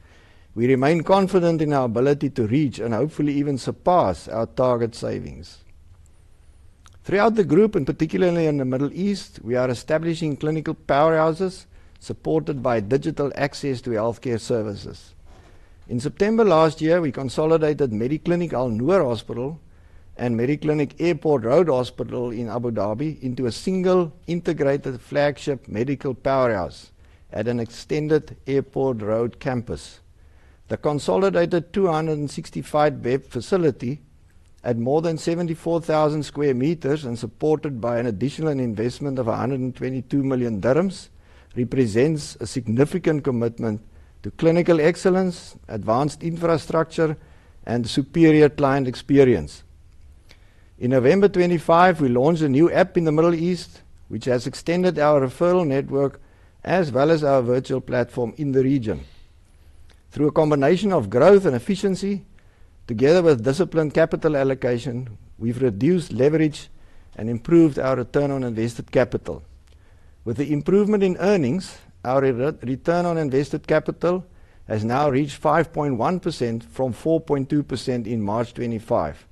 We remain confident in our ability to reach and hopefully even surpass our target savings. Throughout the group, and particularly in the Middle East, we are establishing clinical powerhouses supported by digital access to healthcare services. In September last year, we consolidated Mediclinic Al Noor Hospital and Mediclinic Airport Road Hospital in Abu Dhabi into a single integrated flagship medical powerhouse at an extended Airport Road campus. The consolidated 265-bed facility at more than 74,000 sq m and supported by an additional investment of 122 million dirhams represents a significant commitment to clinical excellence, advanced infrastructure, and superior client experience. In November 2025, we launched a new app in the Middle East, which has extended our referral network as well as our virtual platform in the region. Through a combination of growth and efficiency, together with disciplined capital allocation, we've reduced leverage and improved our return on invested capital. With the improvement in earnings, our return on invested capital has now reached 5.1% from 4.2% in March 2025.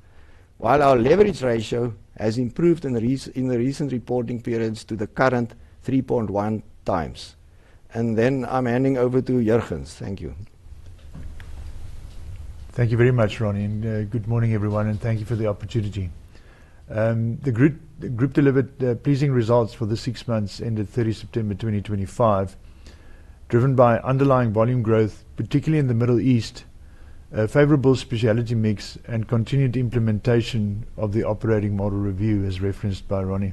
While our leverage ratio has improved in recent reporting periods to the current 3.1x. I'm handing over to Jurgens. Thank you. Thank you very much, Ronnie, and good morning, everyone, and thank you for the opportunity. The group delivered pleasing results for the six months ended 30 September 2025, driven by underlying volume growth, particularly in the Middle East, a favorable specialty mix, and continued implementation of the operating model review, as referenced by Ronnie.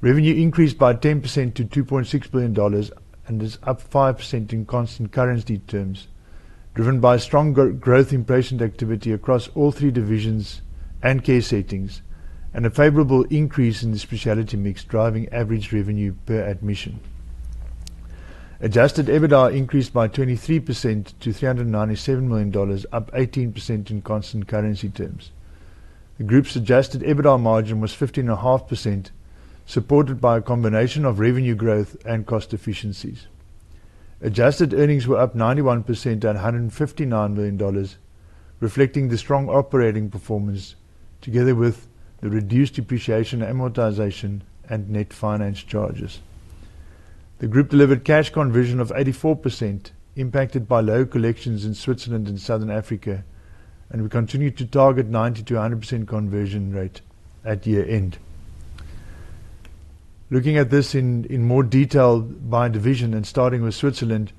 Revenue increased by 10% to $2.6 billion and is up 5% in constant currency terms, driven by strong growth in patient activity across all three divisions and care settings, and a favorable increase in the specialty mix, driving average revenue per admission. Adjusted EBITDA increased by 23% to $397 million, up 18% in constant currency terms. The group's adjusted EBITDA margin was 15.5%, supported by a combination of revenue growth and cost efficiencies. Adjusted earnings were up 91% at $159 million, reflecting the strong operating performance together with the reduced depreciation, amortization, and net finance charges. The group delivered cash conversion of 84%, impacted by low collections in Switzerland and Southern Africa, and we continue to target 90%-100% conversion rate at year-end. Looking at this in more detail by division and starting with Switzerland,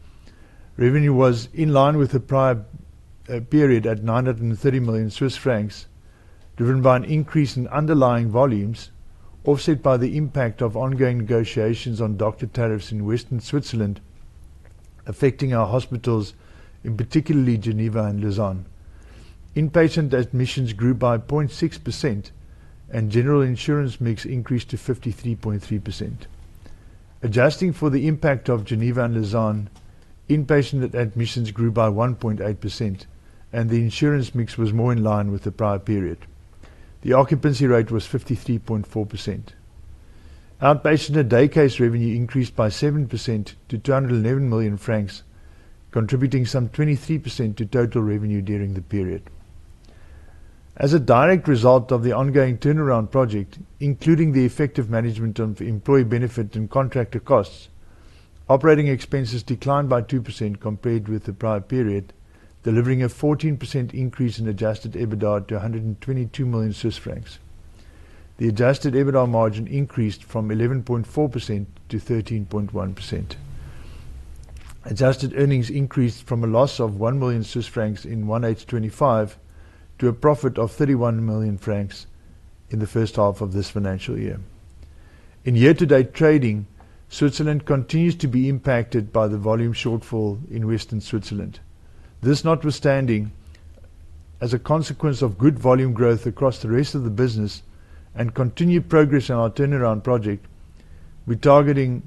revenue was in line with the prior period at 930 million Swiss francs, driven by an increase in underlying volumes, offset by the impact of ongoing negotiations on doctor tariffs in Western Switzerland, affecting our hospitals in particularly Geneva and Lausanne. Inpatient admissions grew by 0.6% and general insurance mix increased to 53.3%. Adjusting for the impact of Geneva and Lausanne, inpatient admissions grew by 1.8% and the insurance mix was more in line with the prior period. The occupancy rate was 53.4%. Outpatient and day case revenue increased by 7% to 211 million francs, contributing some 23% to total revenue during the period. As a direct result of the ongoing turnaround project, including the effective management of employee benefit and contractor costs, operating expenses declined by 2% compared with the prior period, delivering a 14% increase in adjusted EBITDA to 122 million Swiss francs. The adjusted EBITDA margin increased from 11.4%-13.1%. Adjusted earnings increased from a loss of 1 million Swiss francs in 1H 2025 to a profit of 31 million francs in the first half of this financial year. In year-to-date trading, Switzerland continues to be impacted by the volume shortfall in Western Switzerland. This notwithstanding, as a consequence of good volume growth across the rest of the business and continued progress in our turnaround project, we're targeting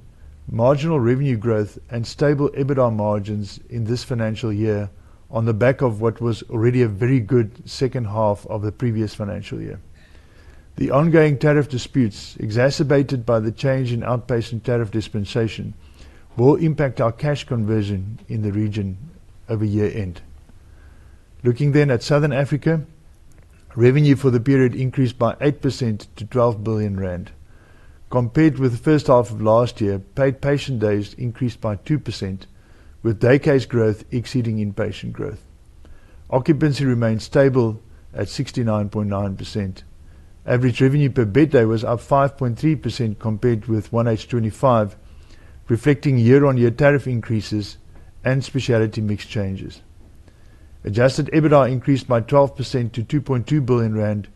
marginal revenue growth and stable EBITDA margins in this financial year on the back of what was already a very good second half of the previous financial year. The ongoing tariff disputes, exacerbated by the change in outpatient tariff dispensation, will impact our cash conversion in the region over year-end. Looking at Southern Africa, revenue for the period increased by 8% to 12 billion rand. Compared with the first half of last year, paid patient days increased by 2%, with day case growth exceeding inpatient growth. Occupancy remained stable at 69.9%. Average revenue per bed day was up 5.3% compared with 1H 2025, reflecting year-on-year tariff increases and specialty mix changes. Adjusted EBITDA increased by 12% to 2.2 billion rand,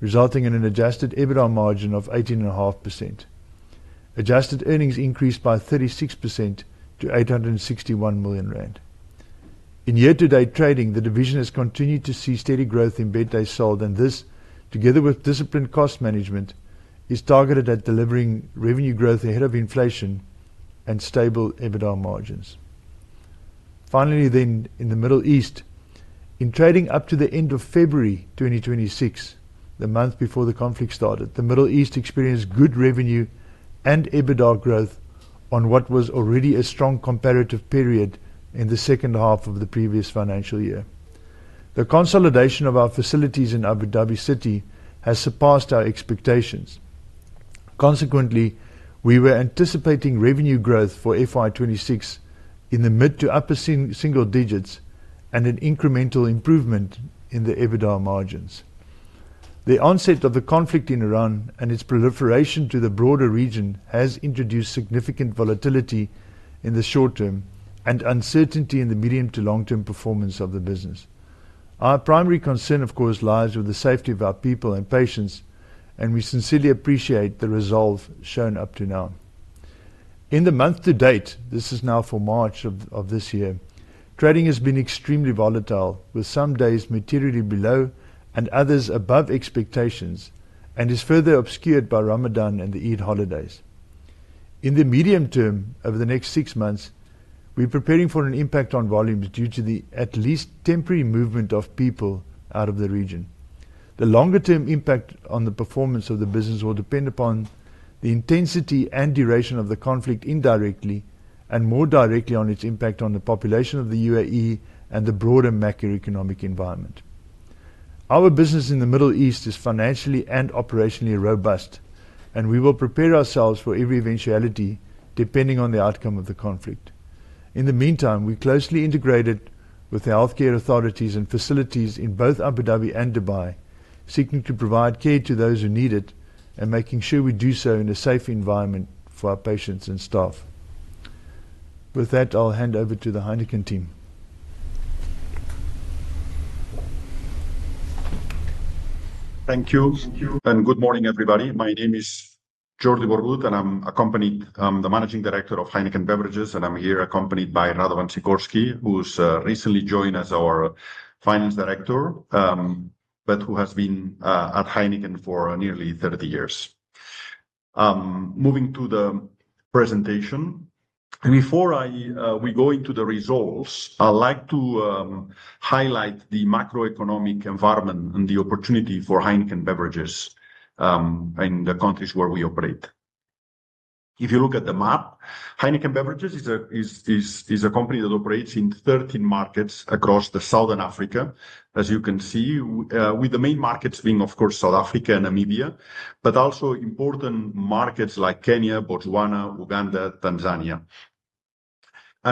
resulting in an adjusted EBITDA margin of 18.5%. Adjusted earnings increased by 36% to 861 million rand. In year-to-date trading, the division has continued to see steady growth in bed days sold, and this, together with disciplined cost management, is targeted at delivering revenue growth ahead of inflation and stable EBITDA margins. Finally, in the Middle East, in trading up to the end of February 2026, the month before the conflict started, the Middle East experienced good revenue and EBITDA growth on what was already a strong comparative period in the second half of the previous financial year. The consolidation of our facilities in Abu Dhabi City has surpassed our expectations. Consequently, we were anticipating revenue growth for FY 2026 in the mid- to upper-single digits% and an incremental improvement in the EBITDA margins. The onset of the conflict in Iran and its proliferation to the broader region has introduced significant volatility in the short term and uncertainty in the medium- to long-term performance of the business. Our primary concern, of course, lies with the safety of our people and patients, and we sincerely appreciate the resolve shown up to now. In the month to date, this is now for March of this year, trading has been extremely volatile, with some days materially below and others above expectations, and is further obscured by Ramadan and the Eid holidays. In the medium term, over the next six months, we're preparing for an impact on volumes due to the at least temporary movement of people out of the region. The longer-term impact on the performance of the business will depend upon the intensity and duration of the conflict indirectly and more directly on its impact on the population of the U.A.E. and the broader macroeconomic environment. Our business in the Middle East is financially and operationally robust, and we will prepare ourselves for every eventuality depending on the outcome of the conflict. In the meantime, we closely integrated with the healthcare authorities and facilities in both Abu Dhabi and Dubai, seeking to provide care to those who need it and making sure we do so in a safe environment for our patients and staff. With that, I'll hand over to the Heineken team. Thank you. Good morning, everybody. My name is Jordi Borrut, and I'm the managing director of Heineken Beverages, and I'm here accompanied by Radovan Sikorsky, who's recently joined as our finance director, but who has been at Heineken for nearly 30 years. Moving to the presentation, before we go into the results, I'd like to highlight the macroeconomic environment and the opportunity for Heineken Beverages in the countries where we operate. If you look at the map, Heineken Beverages is a company that operates in 13 markets across southern Africa, as you can see, with the main markets being, of course, South Africa and Namibia, but also important markets like Kenya, Botswana, Uganda, Tanzania.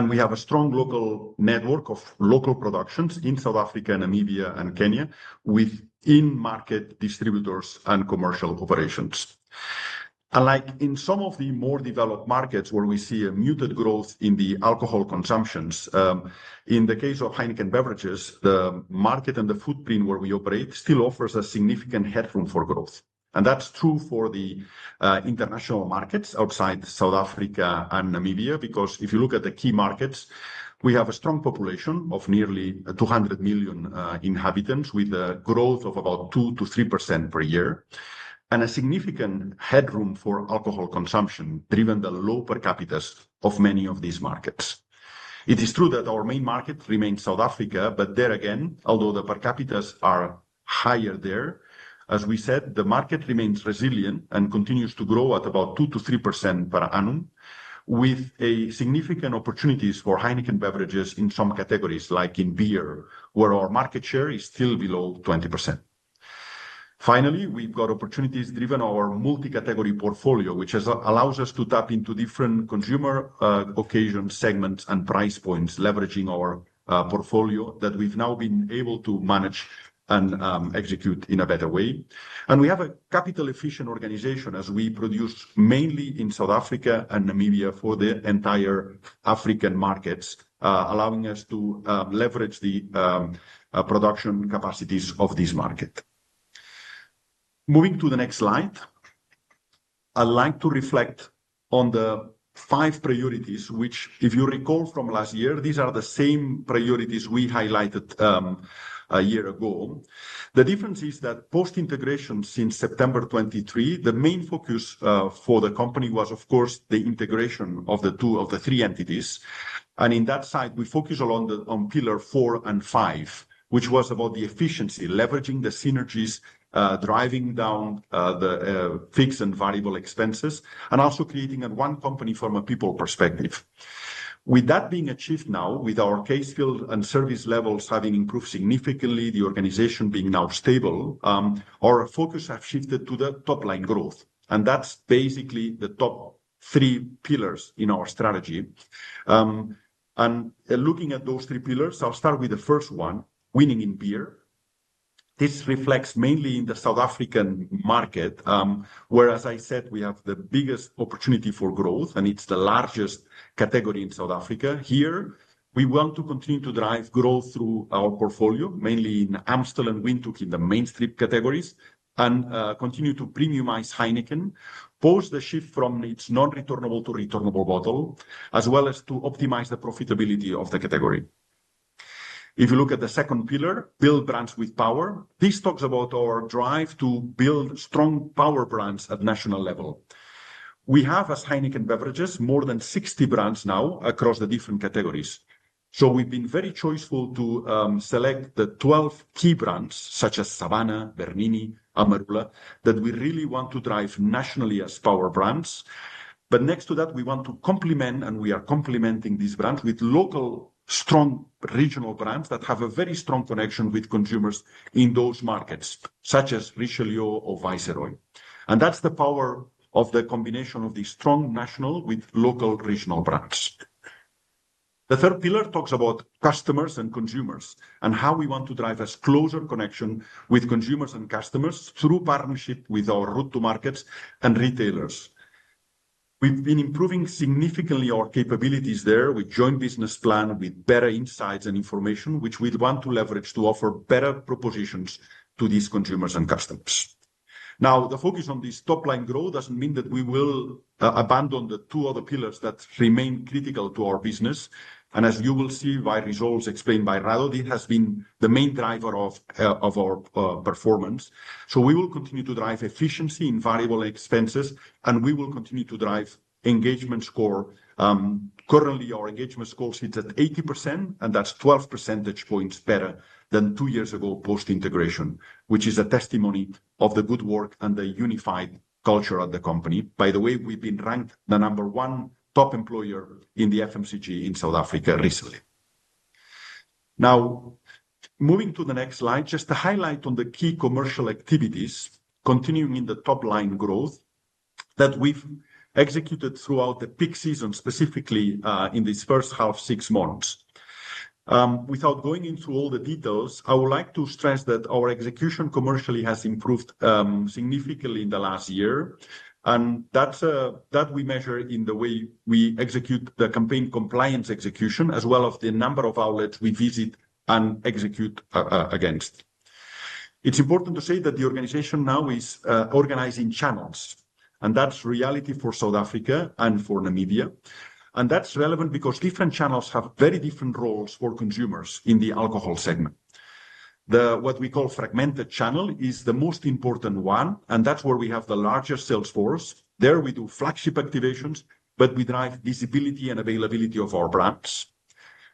We have a strong local network of local productions in South Africa, Namibia, and Kenya with in-market distributors and commercial operations. Unlike in some of the more developed markets where we see a muted growth in the alcohol consumption, in the case of Heineken Beverages, the market and the footprint where we operate still offers a significant headroom for growth. That's true for the international markets outside South Africa and Namibia, because if you look at the key markets we have a strong population of nearly 200 million inhabitants with a growth of about 2%-3% per year, and a significant headroom for alcohol consumption, driven by the low per capita of many of these markets. It is true that our main market remains South Africa, but there again, although the per capita are higher there, as we said, the market remains resilient and continues to grow at about 2%-3% per annum, with significant opportunities for Heineken Beverages in some categories, like in beer, where our market share is still below 20%. Finally, we've got opportunities driven by our multi-category portfolio, which allows us to tap into different consumer occasion segments and price points, leveraging our portfolio that we've now been able to manage and execute in a better way. We have a capital-efficient organization as we produce mainly in South Africa and Namibia for the entire African markets, allowing us to leverage the production capacities of this market. Moving to the next slide, I'd like to reflect on the five priorities, which if you recall from last year, these are the same priorities we highlighted a year ago. The difference is that post-integration since September 2023, the main focus for the company was, of course, the integration of the three entities. On that side, we focused on pillar four and five, which was about the efficiency, leveraging the synergies, driving down the fixed and variable expenses, and also creating one company from a people perspective. With that being achieved now, with our case fill and service levels having improved significantly, the organization being now stable, our focus have shifted to the top-line growth, and that's basically the top three pillars in our strategy. Looking at those three pillars, I'll start with the first one, winning in beer. This reflects mainly in the South African market, where, as I said, we have the biggest opportunity for growth, and it's the largest category in South Africa. Here, we want to continue to drive growth through our portfolio, mainly in Amstel and Windhoek in the mainstream categories, and continue to premiumize Heineken, post the shift from its non-returnable to returnable bottle, as well as to optimize the profitability of the category. If you look at the second pillar, build brands with power. This talks about our drive to build strong power brands at national level. We have, as Heineken Beverages, more than 60 brands now across the different categories. We've been very choiceful to select the 12 key brands such as Savanna, Bernini, Amarula, that we really want to drive nationally as power brands. Next to that, we want to complement, and we are complementing these brands with local strong regional brands that have a very strong connection with consumers in those markets, such as Richelieu or Viceroy. That's the power of the combination of the strong national with local regional brands. The third pillar talks about customers and consumers and how we want to drive a closer connection with consumers and customers through partnership with our route to markets and retailers. We've been improving significantly our capabilities there with joint business plan, with better insights and information, which we want to leverage to offer better propositions to these consumers and customers. Now, the focus on this top-line growth doesn't mean that we will abandon the two other pillars that remain critical to our business. As you will see by results explained by Rado, it has been the main driver of our performance. We will continue to drive efficiency in variable expenses, and we will continue to drive engagement score. Currently, our engagement score sits at 80%, and that's 12 percentage points better than two years ago post-integration, which is a testimony of the good work and the unified culture of the company. By the way, we've been ranked the number one top employer in the FMCG in South Africa recently. Now, moving to the next slide, just to highlight on the key commercial activities continuing in the top-line growth that we've executed throughout the peak season, specifically in this first half six months. Without going into all the details, I would like to stress that our execution commercially has improved significantly in the last year. That's how we measure in the way we execute the campaign compliance execution, as well as the number of outlets we visit and execute against. It's important to say that the organization now is organizing channels, and that's reality for South Africa and for Namibia. That's relevant because different channels have very different roles for consumers in the alcohol segment. The, what we call, fragmented channel is the most important one, and that's where we have the largest sales force. There we do flagship activations, but we drive visibility and availability of our brands.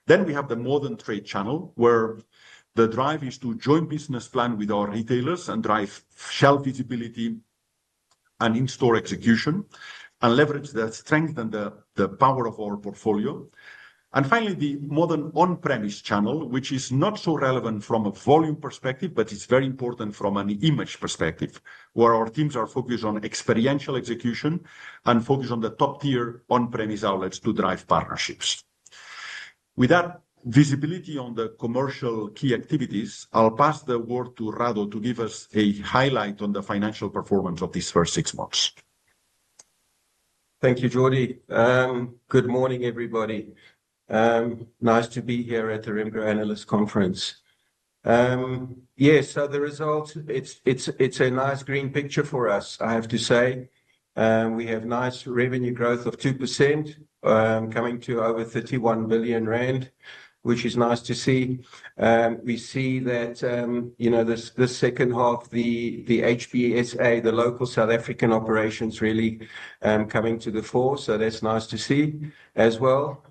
We have the modern trade channel, where the drive is to join business plan with our retailers and drive shelf visibility and in-store execution and leverage the strength and the power of our portfolio. Finally, the modern on-premise channel, which is not so relevant from a volume perspective, but it's very important from an image perspective, where our teams are focused on experiential execution and focused on the top-tier on-premise outlets to drive partnerships. With that visibility on the commercial key activities, I'll pass the word to Rado to give us a highlight on the financial performance of these first six months. Thank you, Jordi. Good morning, everybody. Nice to be here at the Remgro Analyst Conference. Yes. The result, it's a nice green picture for us, I have to say. We have nice revenue growth of 2%, coming to over 31 billion rand, which is nice to see. We see that, you know, this second half, the HBSA, the local South African operations really coming to the fore. That's nice to see as well.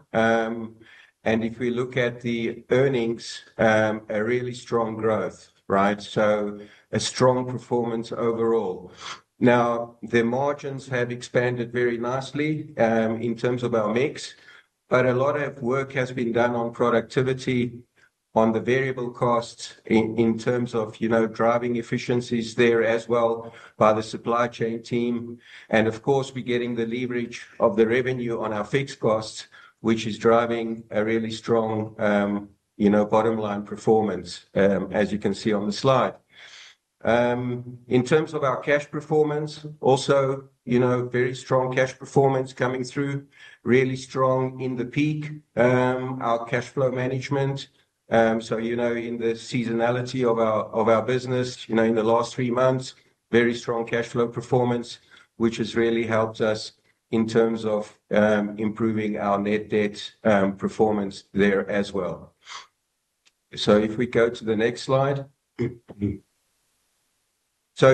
If we look at the earnings, a really strong growth, right? A strong performance overall. Now, the margins have expanded very nicely, in terms of our mix, but a lot of work has been done on productivity, on the variable costs in terms of, you know, driving efficiencies there as well by the supply chain team. Of course, we're getting the leverage of the revenue on our fixed costs, which is driving a really strong, you know, bottom-line performance, as you can see on the slide. In terms of our cash performance, also, you know, very strong cash performance coming through, really strong in the peak. Our cash flow management. You know, in the seasonality of our business, you know, in the last three months, very strong cash flow performance, which has really helped us in terms of, improving our net debt performance there as well. If we go to the next slide.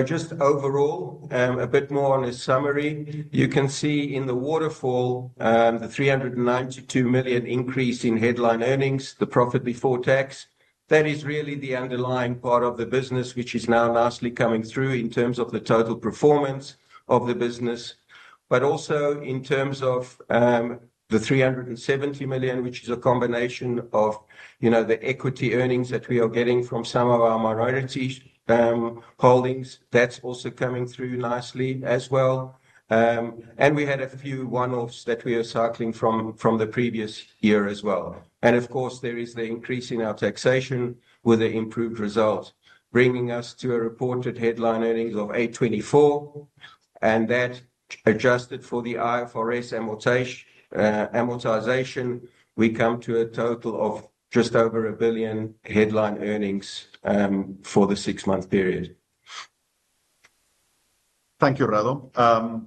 Just overall, a bit more on a summary. You can see in the waterfall, the 392 million increase in headline earnings, the profit before tax. That is really the underlying part of the business, which is now nicely coming through in terms of the total performance of the business. Also in terms of the 370 million, which is a combination of, you know, the equity earnings that we are getting from some of our minority holdings. That's also coming through nicely as well. We had a few one-offs that we are cycling from the previous year as well. Of course, there is the increase in our taxation with the improved result, bringing us to a reported headline earnings of 824 million, and that adjusted for the IFRS amortization, we come to a total of just over 1 billion headline earnings for the six-month period. Thank you, Rado.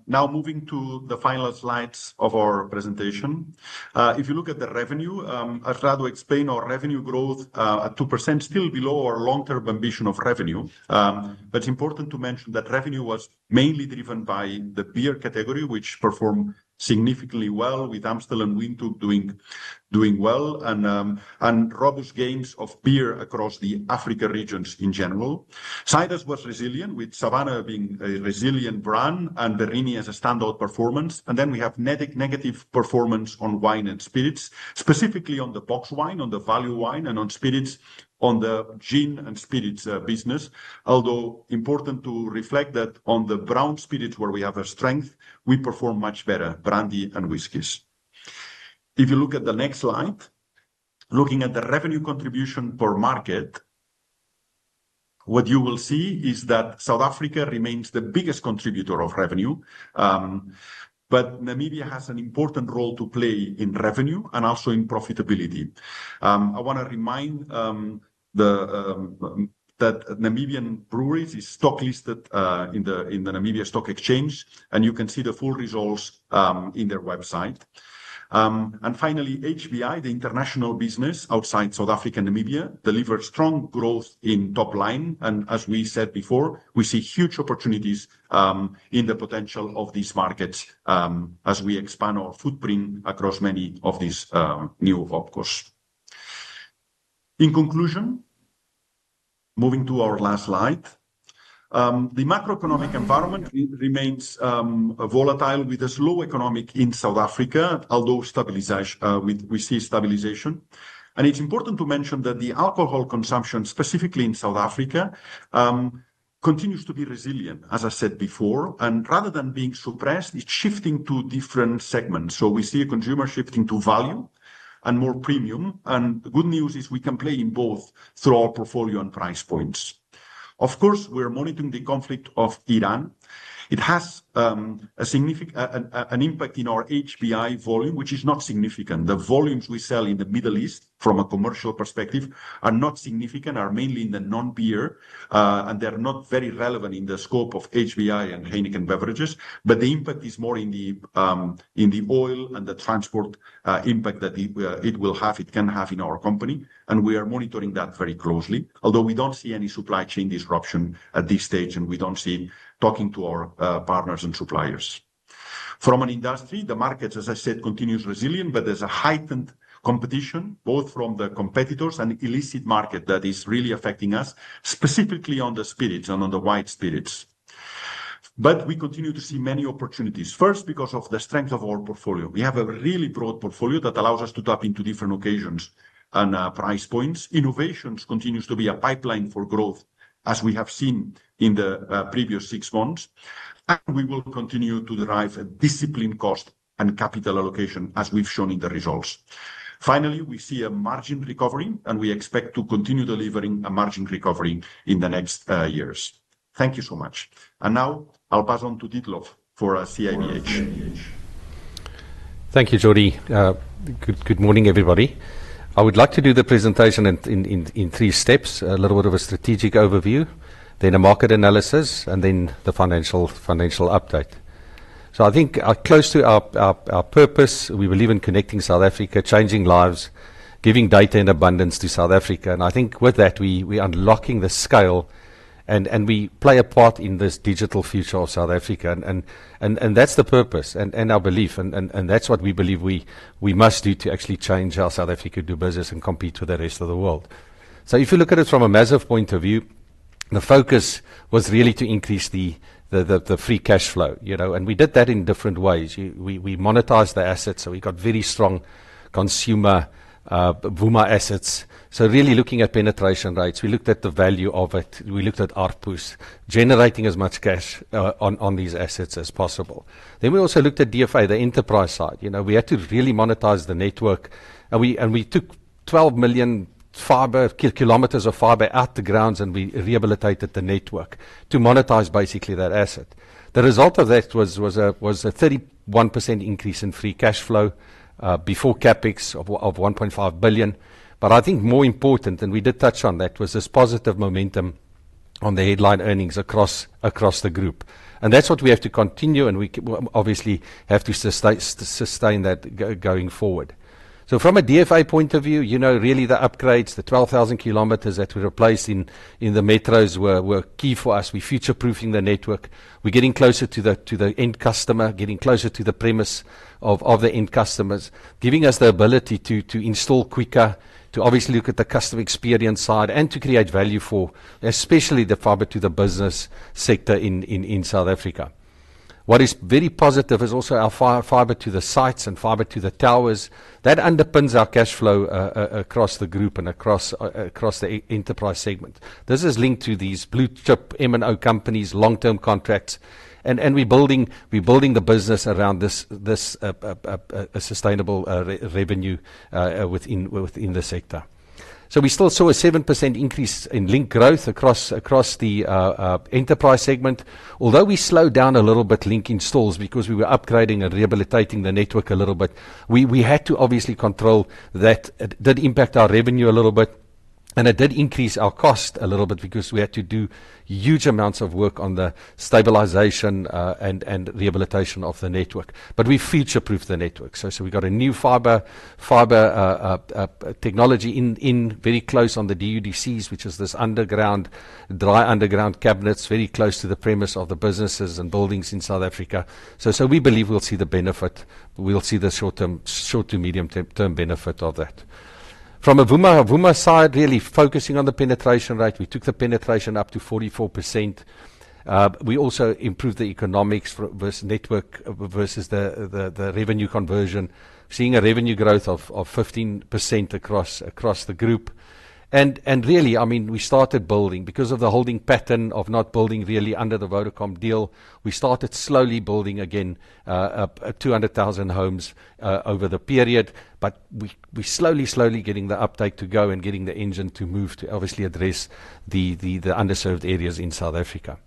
Now moving to the final slides of our presentation. If you look at the revenue, I'd rather explain our revenue growth at 2% still below our long-term ambition of revenue. But important to mention that revenue was mainly driven by the beer category, which performed significantly well with Amstel and Windhoek doing well and robust gains of beer across the Africa regions in general. Ciders was resilient, with Savanna being a resilient brand and Peroni as a standout performance. Then we have net negative performance on wine and spirits, specifically on the box wine, on the value wine, and on spirits, on the gin and spirits business. Although important to reflect that on the brown spirits where we have a strength, we perform much better, brandy and whiskeys. If you look at the next slide, looking at the revenue contribution per market, what you will see is that South Africa remains the biggest contributor of revenue, but Namibia has an important role to play in revenue and also in profitability. I wanna remind that Namibia Breweries is stock listed in the Namibian Stock Exchange, and you can see the full results in their website. Finally, HBI, the international business outside South Africa and Namibia, delivered strong growth in top line. As we said before, we see huge opportunities in the potential of these markets as we expand our footprint across many of these new OpCos. In conclusion, moving to our last slide. The macroeconomic environment remains volatile with a slow economy in South Africa, although we see stabilization. It's important to mention that the alcohol consumption, specifically in South Africa, continues to be resilient, as I said before. Rather than being suppressed, it's shifting to different segments. We see a consumer shifting to value and more premium. The good news is we can play in both through our portfolio and price points. Of course, we're monitoring the conflict in Iran. It has an impact on our HBI volume, which is not significant. The volumes we sell in the Middle East from a commercial perspective are not significant, are mainly in the non-beer, and they're not very relevant in the scope of HBI and Heineken Beverages. The impact is more in the, in the oil and the transport, impact that it can have in our company, and we are monitoring that very closely. Although we don't see any supply chain disruption at this stage, and we don't see talking to our, partners and suppliers. From an industry, the market, as I said, continues resilient, but there's a heightened competition both from the competitors and illicit market that is really affecting us, specifically on the spirits and on the white spirits. We continue to see many opportunities. First, because of the strength of our portfolio. We have a really broad portfolio that allows us to tap into different occasions and, price points. Innovations continues to be a pipeline for growth, as we have seen in the previous six months, and we will continue to drive a disciplined cost and capital allocation, as we've shown in the results. Finally, we see a margin recovery, and we expect to continue delivering a margin recovery in the next years. Thank you so much. Now I'll pass on to Dietlof for our CIVH. Thank you, Jordi. Good morning, everybody. I would like to do the presentation in three steps. A little bit of a strategic overview, then a market analysis, and then the financial update. I think close to our purpose, we believe in connecting South Africa, changing lives, giving data in abundance to South Africa. I think with that we unlocking the scale and we play a part in this digital future of South Africa. That's the purpose and our belief, and that's what we believe we must do to actually change how South Africa do business and compete with the rest of the world. If you look at it from a macro point of view, the focus was really to increase the free cash flow, you know, and we did that in different ways. We monetized the assets, so we got very strong consumer Vuma assets. Really looking at penetration rates, we looked at the value of it. We looked at ARPU generating as much cash on these assets as possible. We also looked at DFA, the enterprise side. You know, we had to really monetize the network. We took 12 million fiber kilometers of fiber out of the ground, and we rehabilitated the network to monetize basically that asset. The result of that was a 31% increase in free cash flow before CapEx of 1.5 billion. I think more important, and we did touch on that, was this positive momentum on the headline earnings across the group. That's what we have to continue, and we obviously have to sustain that going forward. From a DFA point of view, you know, really the upgrades, the 12,000 km that we replaced in the metros were key for us. We future-proofing the network. We're getting closer to the end customer, getting closer to the premise of the end customers, giving us the ability to install quicker, to obviously look at the customer experience side and to create value for especially the fiber to the business sector in South Africa. What is very positive is also our fiber to the sites and fiber to the towers. That underpins our cash flow across the group and across the enterprise segment. This is linked to these blue-chip MNO companies, long-term contracts, and we building the business around this sustainable revenue within the sector. We still saw a 7% increase in link growth across the enterprise segment. Although we slowed down a little bit link installs because we were upgrading and rehabilitating the network a little bit, we had to obviously control that. It did impact our revenue a little bit, and it did increase our cost a little bit because we had to do huge amounts of work on the stabilization and rehabilitation of the network. We future-proof the network. We got a new fiber technology in very close on the DUDCs, which is this dry underground cabinets, very close to the premises of the businesses and buildings in South Africa. We believe we'll see the benefit, we'll see the short to medium term benefit of that. From a Vuma side, really focusing on the penetration rate. We took the penetration up to 44%. We also improved the economics versus network versus the revenue conversion, seeing a revenue growth of 15% across the group. Really, I mean, we started building. Because of the holding pattern of not building really under the Vodacom deal, we started slowly building again, 200,000 homes over the period. We slowly getting the uptake to go and getting the engine to move to obviously address the underserved areas in South Africa.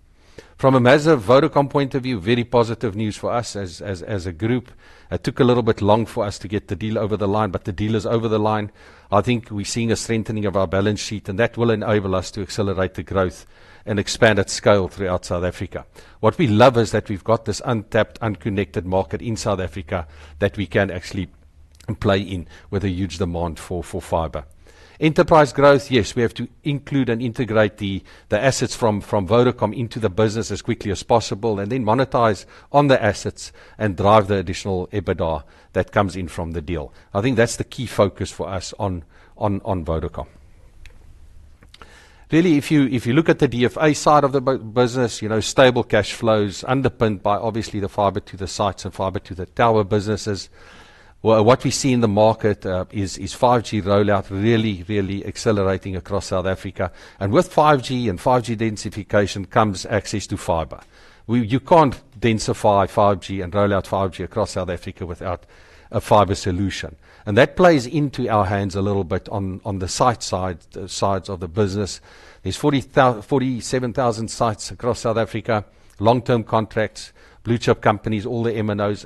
From a Maziv point of view, very positive news for us as a group. It took a little bit long for us to get the deal over the line, but the deal is over the line. I think we're seeing a strengthening of our balance sheet, and that will enable us to accelerate the growth and expand at scale throughout South Africa. What we love is that we've got this untapped, unconnected market in South Africa that we can actually play in with a huge demand for fiber. Enterprise growth, yes, we have to include and integrate the assets from Vodacom into the business as quickly as possible and then monetize on the assets and drive the additional EBITDA that comes in from the deal. I think that's the key focus for us on Vodacom. Really, if you look at the DFA side of the business, you know, stable cash flows underpinned by obviously the fiber to the sites and fiber to the tower businesses. Well, what we see in the market is 5G rollout accelerating across South Africa. With 5G and 5G densification comes access to fiber. You can't densify 5G and roll out 5G across South Africa without a fiber solution. That plays into our hands a little bit on the site side of the business. There's 47,000 sites across South Africa, long-term contracts, blue-chip companies, all the MNOs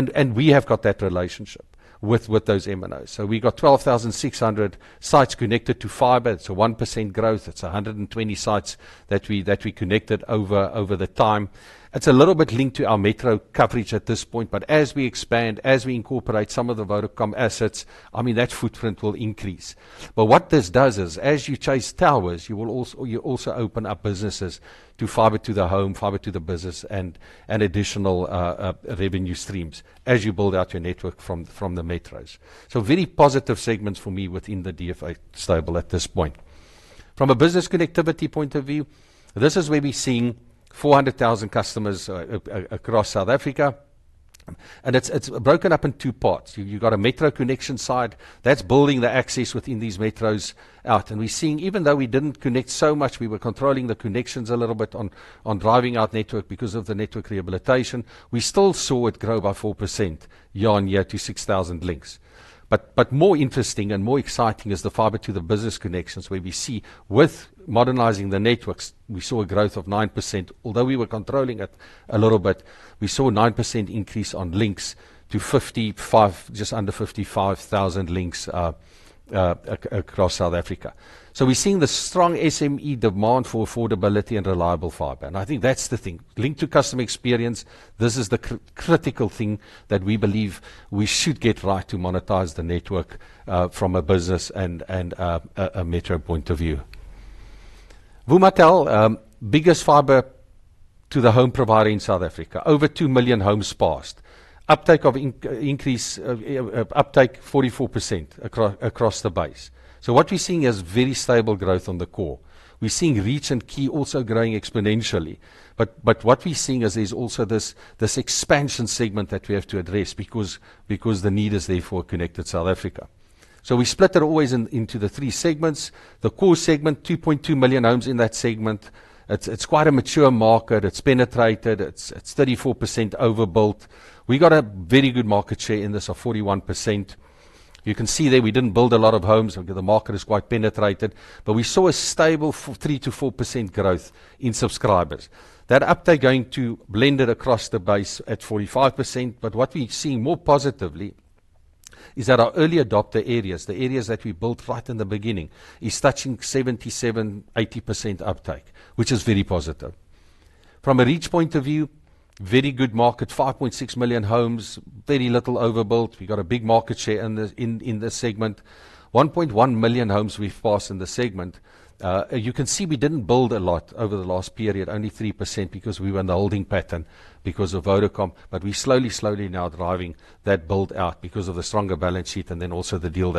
and we have got that relationship with those MNOs. We got 12,600 sites connected to fiber. It's a 1% growth. It's 120 sites that we connected over the time. It's a little bit linked to our metro coverage at this point, but as we expand, as we incorporate some of the Vodacom assets, I mean, that footprint will increase. What this does is, as you chase towers, you will also open up businesses to fiber to the home, fiber to the business and additional revenue streams as you build out your network from the metros. Very positive segments for me within the DFA stable at this point. From a business connectivity point of view, this is where we're seeing 400,000 customers across South Africa. It's broken up in two parts. You got a metro connection side that's building the access within these metros out. We're seeing even though we didn't connect so much, we were controlling the connections a little bit on driving out network because of the network rehabilitation. We still saw it grow by 4% year-on-year to 6,000 links. More interesting and more exciting is the fiber to the business connections where we see with modernizing the networks, we saw a growth of 9%. Although we were controlling it a little bit, we saw a 9% increase on links to 55,000, just under 55,000 links across South Africa. We're seeing the strong SME demand for affordability and reliable fiber, and I think that's the thing. Linked to customer experience, this is the critical thing that we believe we should get right to monetize the network, from a business and a metro point of view. Vumatel, biggest fiber to the home provider in South Africa. Over 2 million homes passed. Uptake increase 44% across the base. What we're seeing is very stable growth on the core. We're seeing reach and key also growing exponentially. But what we're seeing is there's also this expansion segment that we have to address because the need is there for a connected South Africa. We split it always into the three segments. The core segment, 2.2 million homes in that segment. It's quite a mature market. It's penetrated. It's 34% overbuilt. We got a very good market share in this of 41%. You can see there, we didn't build a lot of homes, and the market is quite penetrated, but we saw a stable 3%-4% growth in subscribers. That uptake going to blend it across the base at 45%. But what we're seeing more positively is that our early adopter areas, the areas that we built right in the beginning, is touching 77%-80% uptake, which is very positive. From a reach point of view, very good market, 5.6 million homes, very little overbuilt. We got a big market share in this, in this segment. 1.1 million homes we've passed in this segment. You can see we didn't build a lot over the last period, only 3%, because we were in the holding pattern because of Vodacom. We slowly now driving that build out because of the stronger balance sheet and then also the deal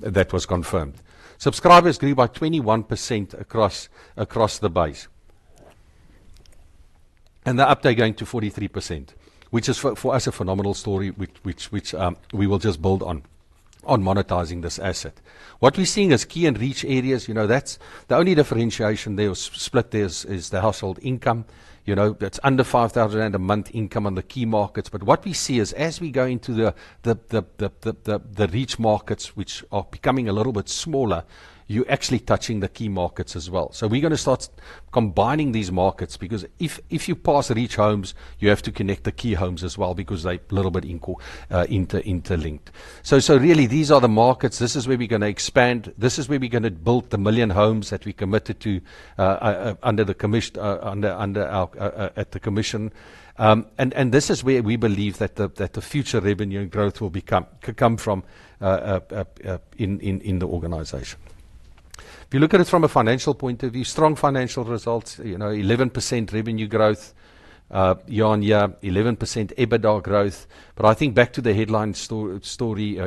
that was confirmed. Subscribers grew by 21% across the base. The uptake going to 43%, which is for us a phenomenal story, which we will just build on monetizing this asset. What we're seeing is key and reach areas, you know, that's the only differentiation there or split there is the household income. You know, that's under 5,000 rand a month income on the key markets. What we see is as we go into the reach markets, which are becoming a little bit smaller, you're actually touching the key markets as well. We're gonna start combining these markets because if you pass reach homes, you have to connect the key homes as well because they're a little bit interlinked. Really these are the markets. This is where we're gonna expand. This is where we're gonna build 1 million homes that we committed to under our commitment at the commission. This is where we believe that the future revenue and growth will come from in the organization. If you look at it from a financial point of view, strong financial results. You know, 11% revenue growth year-on-year, 11% EBITDA growth. I think back to the headline story,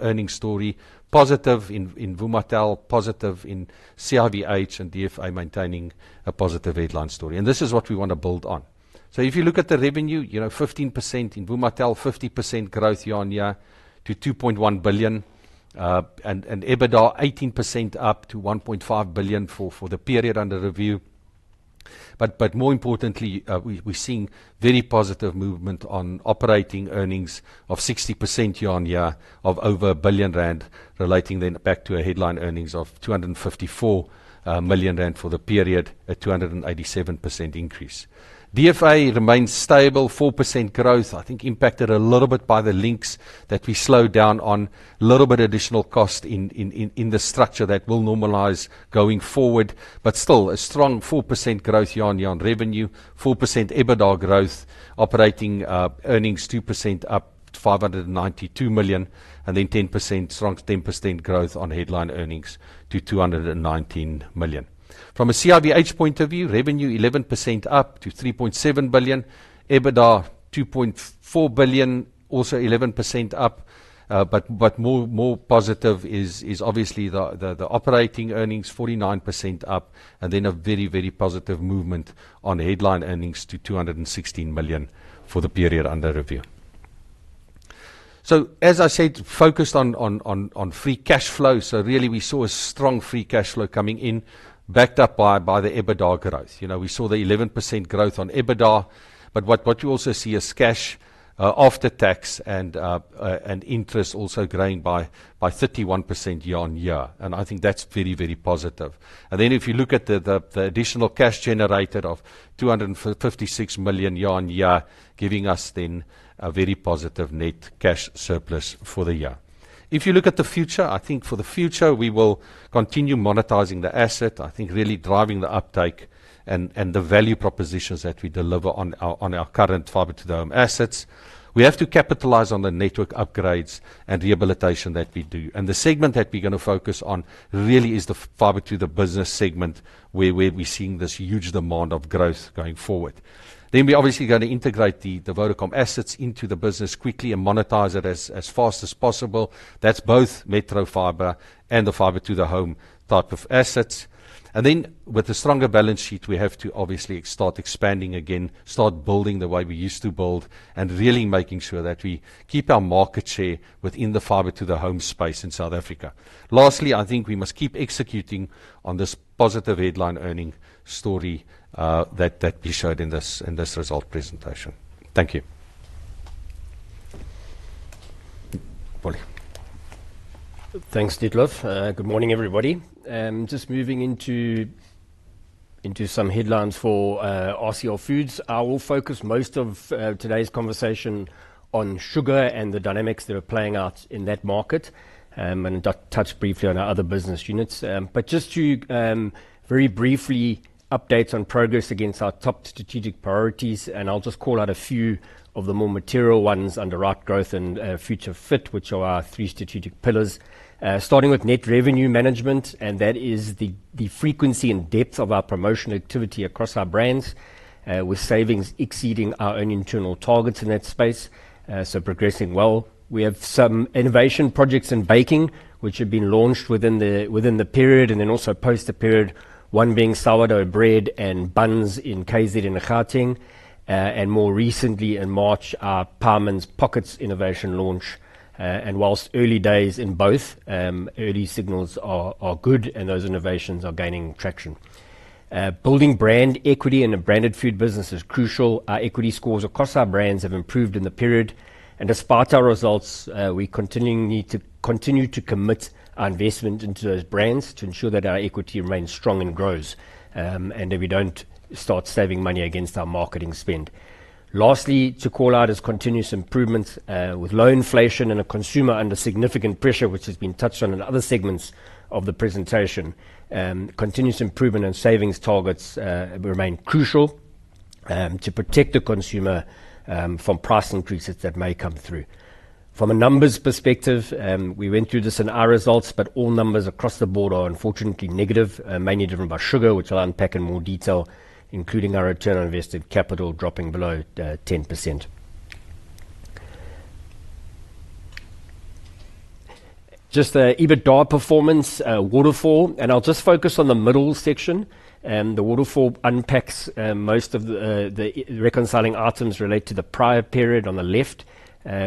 earnings story, positive in Vumatel, positive in CIVH, and DFA maintaining a positive headline story. This is what we wanna build on. If you look at the revenue, you know, 15% in Vumatel, 50% growth year-on-year to 2.1 billion. EBITDA 18% up to 1.5 billion for the period under review. More importantly, we're seeing very positive movement on operating earnings of 60% year-on-year of over 1 billion rand, relating then back to a headline earnings of 254 million rand for the period at 287% increase. DFA remains stable, 4% growth. I think impacted a little bit by the links that we slowed down on. A little bit additional cost in the structure that will normalize going forward. Still, a strong 4% growth year-on-year on revenue, 4% EBITDA growth, operating earnings 2% up to 592 million, and then 10%, strong 10% growth on headline earnings to 219 million. From a CIVH point of view, revenue 11% up to 3.7 billion. EBITDA 2.4 billion, also 11% up. More positive is obviously the operating earnings, 49% up, and then a very positive movement on headline earnings to 216 million for the period under review. As I said, focused on free cash flow. Really we saw a strong free cash flow coming in, backed up by the EBITDA growth. We saw the 11% growth on EBITDA, but what you also see is cash after tax and interest also growing by 31% year-on-year, and I think that's very positive. If you look at the additional cash generated of ZAR 256 million year-on-year, giving us then a very positive net cash surplus for the year. If you look at the future, I think for the future we will continue monetizing the asset. I think really driving the uptake and the value propositions that we deliver on our current fiber to the home assets. We have to capitalize on the network upgrades and rehabilitation that we do. The segment that we're gonna focus on really is the fiber to the business segment where we're seeing this huge demand of growth going forward. Then we're obviously gonna integrate the Vodacom assets into the business quickly and monetize it as fast as possible. That's both metro fiber and the fiber to the home type of assets. With a stronger balance sheet, we have to obviously start expanding again, start building the way we used to build, and really making sure that we keep our market share within the fiber to the home space in South Africa. Lastly, I think we must keep executing on this positive headline earnings story that we showed in this results presentation. Thank you. Thanks, Dietlof. Good morning, everybody. Just moving into some headlines for RCL Foods. I will focus most of today's conversation on sugar and the dynamics that are playing out in that market, and touch briefly on our other business units. Just to very briefly update on progress against our top strategic priorities, and I'll just call out a few of the more material ones under right growth and future fit, which are our three strategic pillars. Starting with net revenue management, and that is the frequency and depth of our promotion activity across our brands, with savings exceeding our own internal targets in that space. So progressing well. We have some innovation projects in baking, which have been launched within the period and then also post the period. One being sourdough bread and buns in KZN and Gauteng. More recently in March, our PIEMAN'S Pockets innovation launch. While early days in both, early signals are good and those innovations are gaining traction. Building brand equity in a branded food business is crucial. Our equity scores across our brands have improved in the period. Despite our results, we continue to commit our investment into those brands to ensure that our equity remains strong and grows, and that we don't start saving money against our marketing spend. Lastly, to call out is continuous improvement, with low inflation and a consumer under significant pressure, which has been touched on in other segments of the presentation. Continuous improvement and savings targets remain crucial to protect the consumer from price increases that may come through. From a numbers perspective, we went through this in our results, but all numbers across the board are unfortunately negative, mainly driven by sugar, which I'll unpack in more detail, including our return on invested capital dropping below 10%. Just the EBITDA performance, waterfall. I'll just focus on the middle section. The waterfall unpacks most of the reconciling items related to the prior period on the left,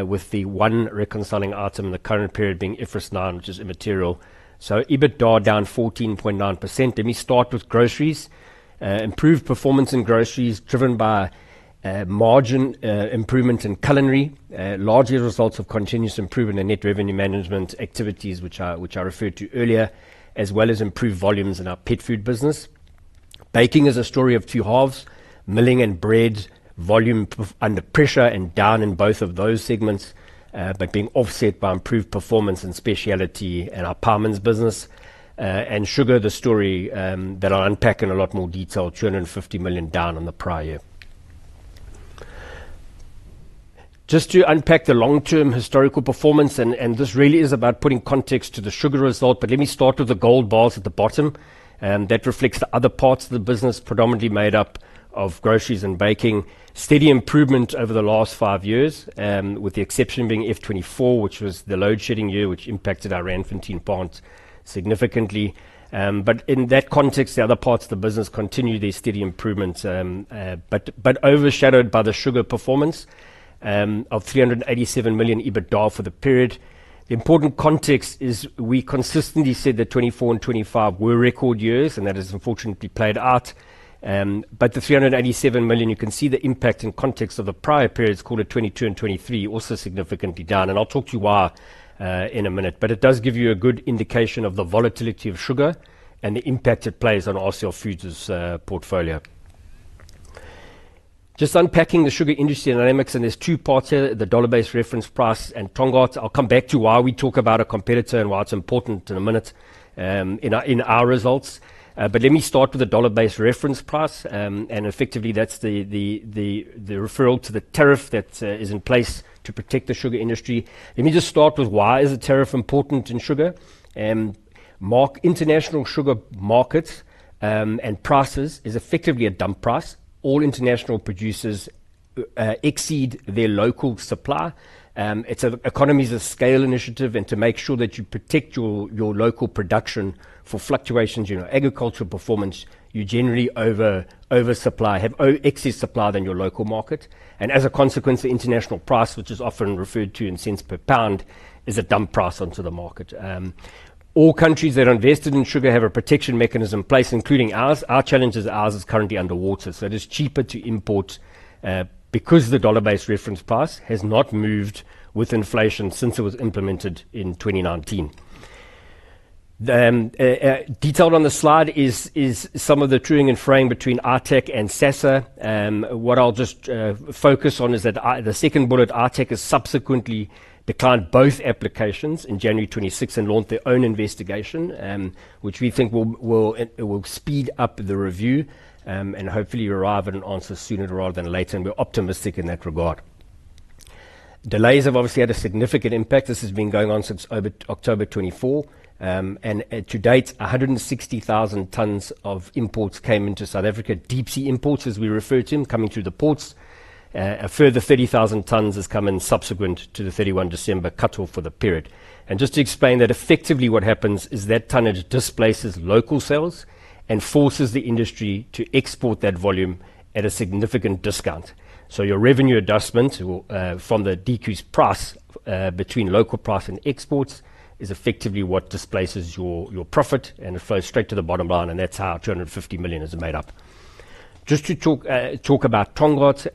with the one reconciling item in the current period being IFRS 9, which is immaterial. EBITDA down 14.9%. Let me start with groceries. Improved performance in groceries driven by margin improvement in culinary. Largely a result of continuous improvement in net revenue management activities, which I referred to earlier, as well as improved volumes in our pet food business. Baking is a story of two halves. Milling and bread volume under pressure and down in both of those segments, but being offset by improved performance in specialty and our PIEMAN'S business. Sugar, the story that I'll unpack in a lot more detail, 250 million down on the prior. Just to unpack the long-term historical performance, and this really is about putting context to the sugar result, but let me start with the gold bars at the bottom. That reflects the other parts of the business predominantly made up of groceries and baking. Steady improvement over the last five years, with the exception being FY 2024, which was the load shedding year, which impacted our Randfontein plant significantly. In that context, the other parts of the business continue their steady improvements but overshadowed by the sugar performance of 387 million EBITDA for the period. The important context is we consistently said that 2024 and 2025 were record years, and that has unfortunately played out. The 387 million, you can see the impact in context of the prior periods quarter 2022 and 2023, also significantly down. I'll tell you why in a minute. It does give you a good indication of the volatility of sugar and the impact it plays on RCL Foods' portfolio. Just unpacking the sugar industry dynamics, and there's two parts here, the dollar-based reference price and Tongaat. I'll come back to why we talk about a competitor and why it's important in a minute, in our results. Let me start with the dollar-based reference price. Effectively that's the reference to the tariff that is in place to protect the sugar industry. Let me just start with why is the tariff important in sugar. International sugar markets and prices is effectively a dump price. All international producers exceed their local supply. It's an economies of scale initiative, and to make sure that you protect your local production for fluctuations, you know, agricultural performance, you generally oversupply, have excess supply than your local market. As a consequence, the international price, which is often referred to in cents per pound, is a dump price onto the market. All countries that are invested in sugar have a protection mechanism in place, including ours. Our challenge is ours is currently underwater, so it is cheaper to import because the dollar-based reference price has not moved with inflation since it was implemented in 2019. Detailed on the slide is some of the to-ing and fro-ing between ITAC and SASA. What I'll just focus on is that the second bullet, ITAC, has subsequently declined both applications in January 26th and launched their own investigation, which we think will speed up the review and hopefully arrive at an answer sooner rather than later, and we're optimistic in that regard. Delays have obviously had a significant impact. This has been going on since over October 2024. To date, 160,000 tons of imports came into South Africa. Deep sea imports, as we refer to them, coming through the ports. A further 30,000 tons has come in subsequent to the 31 December cut-off for the period. Just to explain that effectively what happens is that tonnage displaces local sales and forces the industry to export that volume at a significant discount. Your revenue adjustment will from the decreased price between local price and exports is effectively what displaces your profit, and it flows straight to the bottom line, and that's how 250 million is made up. Just to talk about Tongaat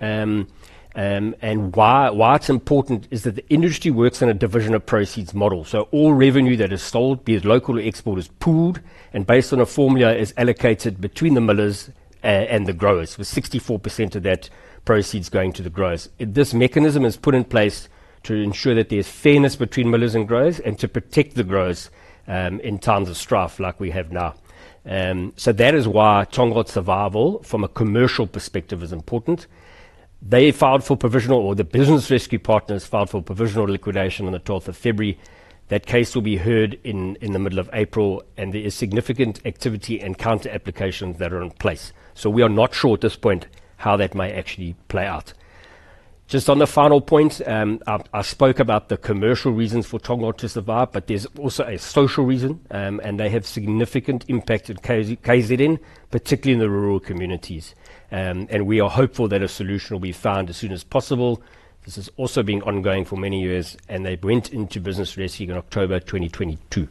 and why it's important is that the industry works on a division of proceeds model. All revenue that is sold, be it local or export, is pooled and based on a formula is allocated between the millers and the growers, with 64% of that proceeds going to the growers. This mechanism is put in place to ensure that there's fairness between millers and growers and to protect the growers in times of strife like we have now. That is why Tongaat's survival from a commercial perspective is important. They filed for provisional, or the business rescue partners filed for provisional liquidation on the 12th of February. That case will be heard in the middle of April, and there is significant activity and counter applications that are in place. We are not sure at this point how that may actually play out. Just on the final point, I spoke about the commercial reasons for Tongaat to survive, but there's also a social reason, and they have significant impact at KZN, particularly in the rural communities. We are hopeful that a solution will be found as soon as possible. This has also been ongoing for many years, and they went into business rescue in October 2022.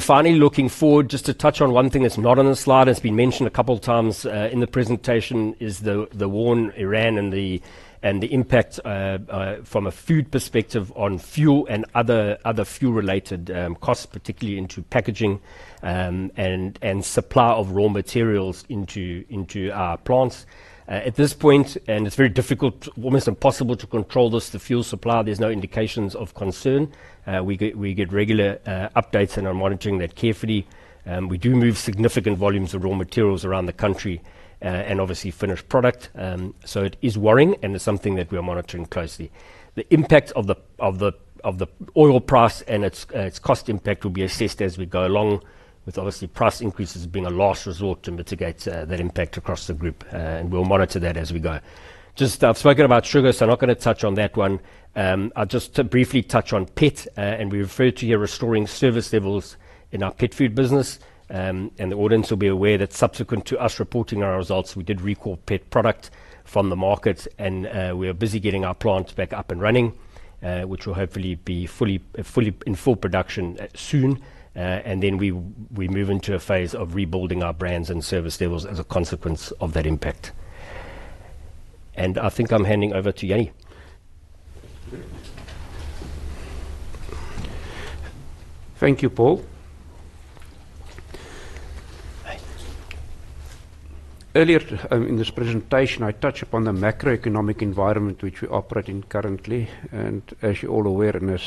Finally looking forward, just to touch on one thing that's not on the slide, it's been mentioned a couple of times in the presentation is the war in Iran and the impact from a food perspective on fuel and other fuel-related costs, particularly into packaging, and supply of raw materials into our plants. At this point, it's very difficult, almost impossible to control this, the fuel supply. There's no indications of concern. We get regular updates and are monitoring that carefully. We do move significant volumes of raw materials around the country, and obviously finished product, so it is worrying and it's something that we are monitoring closely. The impact of the oil price and its cost impact will be assessed as we go along. With obviously price increases being a last resort to mitigate that impact across the group. We'll monitor that as we go. Just I've spoken about sugar, so I'm not gonna touch on that one. I'll just briefly touch on pet. We refer to here restoring service levels in our pet food business. The audience will be aware that subsequent to us reporting our results, we did recall pet product from the market and we are busy getting our plant back up and running, which will hopefully be fully in full production soon. We move into a phase of rebuilding our brands and service levels as a consequence of that impact. I think I'm handing over to Jannie. Thank you, Paul. Earlier in this presentation, I touched upon the macroeconomic environment which we operate in currently. As you're all aware, and as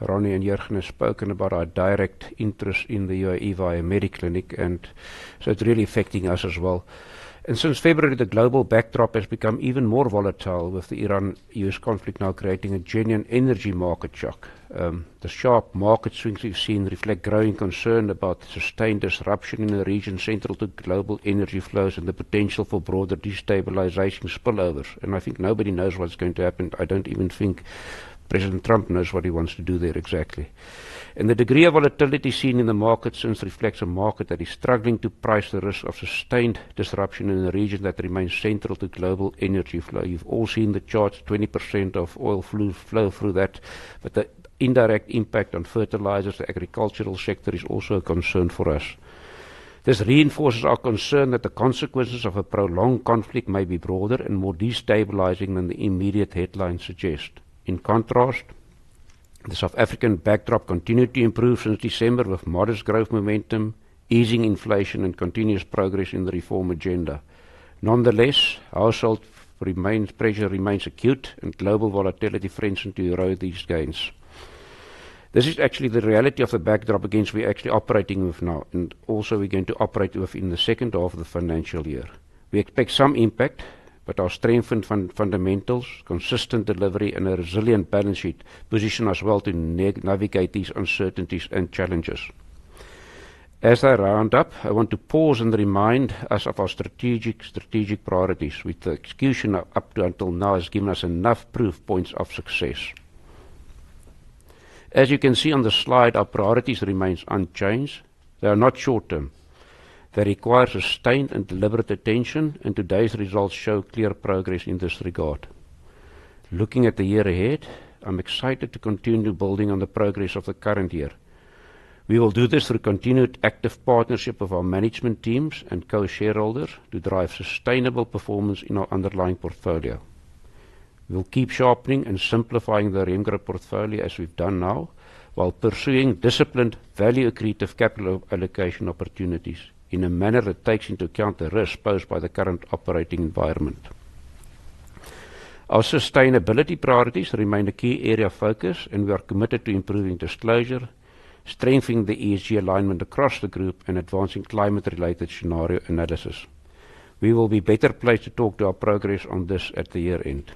Ronnie and Jurgens have spoken about our direct interest in the U.A.E. via Mediclinic, and so it's really affecting us as well. Since February, the global backdrop has become even more volatile with the Iran-U.S. conflict now creating a genuine energy market shock. The sharp market swings we've seen reflect growing concern about the sustained disruption in the region central to global energy flows and the potential for broader destabilization spillovers. I think nobody knows what's going to happen. I don't even think President Trump knows what he wants to do there exactly. The degree of volatility seen in the market since reflects a market that is struggling to price the risk of sustained disruption in a region that remains central to global energy flow. You've all seen the charts, 20% of oil flow through that. The indirect impact on fertilizers, the agricultural sector is also a concern for us. This reinforces our concern that the consequences of a prolonged conflict may be broader and more destabilizing than the immediate headlines suggest. In contrast, the South African backdrop continued to improve since December with modest growth momentum, easing inflation, and continuous progress in the reform agenda. Nonetheless, household pressure remains acute and global volatility threatens to erode these gains. This is actually the reality of the backdrop against which we're actually operating with now and also we're going to operate with in the second half of the financial year. We expect some impact, but our strengthened fundamentals, consistent delivery, and a resilient balance sheet position us well to navigate these uncertainties and challenges. As I wrap up, I want to pause and remind us of our strategic priorities. The execution up until now has given us enough proof points of success. As you can see on the slide, our priorities remains unchanged. They are not short-term. They require sustained and deliberate attention, and today's results show clear progress in this regard. Looking at the year ahead, I'm excited to continue building on the progress of the current year. We will do this through continued active partnership of our management teams and co-shareholders to drive sustainable performance in our underlying portfolio. We'll keep sharpening and simplifying the Remgro portfolio as we've done now, while pursuing disciplined, value-accretive capital allocation opportunities in a manner that takes into account the risks posed by the current operating environment. Our sustainability priorities remain a key area of focus, and we are committed to improving disclosure, strengthening the ESG alignment across the group, and advancing climate-related scenario analysis. We will be better placed to talk to our progress on this at the year-end.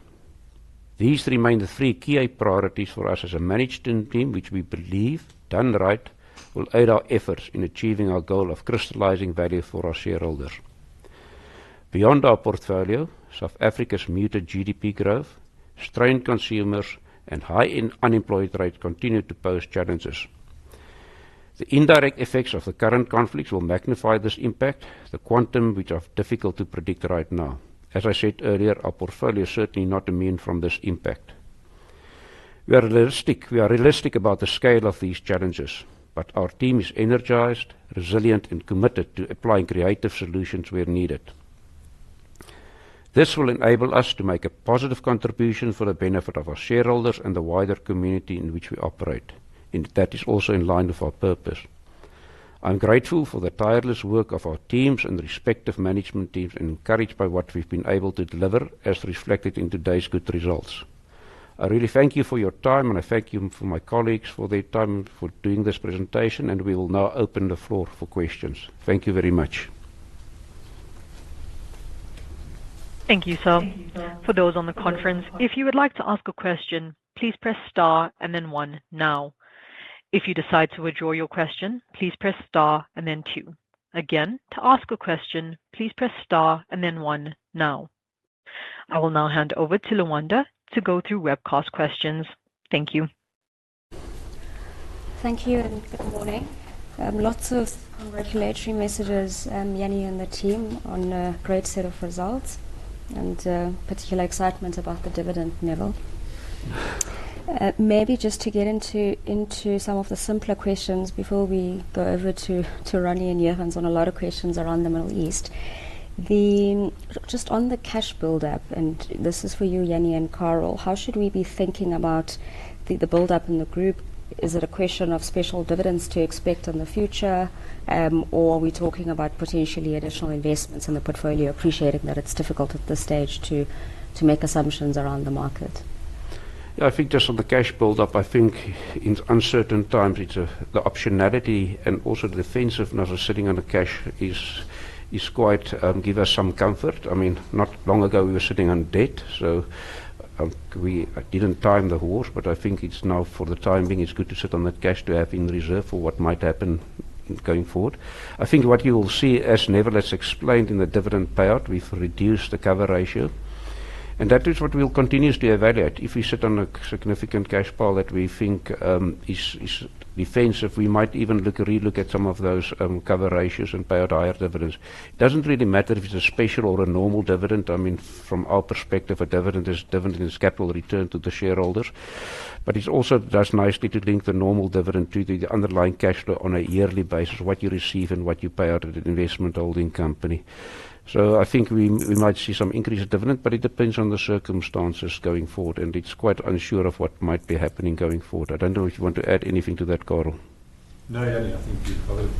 These remain the three key priorities for us as a management team, which we believe, done right, will aid our efforts in achieving our goal of crystallizing value for our shareholders. Beyond our portfolio, South Africa's muted GDP growth, strained consumers, and high unemployment rate continue to pose challenges. The indirect effects of the current conflicts will magnify this impact, the quantum which are difficult to predict right now. As I said earlier, our portfolio is certainly not immune from this impact. We are realistic about the scale of these challenges, but our team is energized, resilient, and committed to applying creative solutions where needed. This will enable us to make a positive contribution for the benefit of our shareholders and the wider community in which we operate, and that is also in line with our purpose. I'm grateful for the tireless work of our teams and respective management teams, and encouraged by what we've been able to deliver as reflected in today's good results. I really thank you for your time, and I thank my colleagues for their time for doing this presentation, and we will now open the floor for questions. Thank you very much. Thank you, sir. For those on the conference, if you would like to ask a question, please press star and then one now. If you decide to withdraw your question, please press star and then two. Again, to ask a question, please press star and then one now. I will now hand over to Lwanda to go through webcast questions. Thank you. Thank you, and good morning. Lots of congratulatory messages, Jannie and the team on a great set of results and particular excitement about the dividend level. Maybe just to get into some of the simpler questions before we go over to Ronnie and Jurgens on a lot of questions around the Middle East. Just on the cash build-up, and this is for you, Jannie and Carel, how should we be thinking about the build-up in the group? Is it a question of special dividends to expect in the future, or are we talking about potentially additional investments in the portfolio, appreciating that it's difficult at this stage to make assumptions around the market? Yeah, I think just on the cash build-up, I think in uncertain times, it's the optionality and also the defensiveness of sitting on the cash is quite gives us some comfort. I mean, not long ago, we were sitting on debt, so we didn't time the market, but I think it's now for the time being, it's good to sit on that cash to have in reserve for what might happen going forward. I think what you'll see, as Neville has explained in the dividend payout, we've reduced the cover ratio. That is what we'll continue to evaluate. If we sit on a significant cash pile that we think is defensive, we might even re-look at some of those cover ratios and pay out higher dividends. It doesn't really matter if it's a special or a normal dividend. I mean, from our perspective, a dividend is capital return to the shareholders. It also does nicely to link the normal dividend to the underlying cash flow on a yearly basis, what you receive and what you pay out at an investment holding company. I think we might see some increased dividend, but it depends on the circumstances going forward, and it's quite unsure of what might be happening going forward. I don't know if you want to add anything to that, Carel. No, Jannie. I think you covered.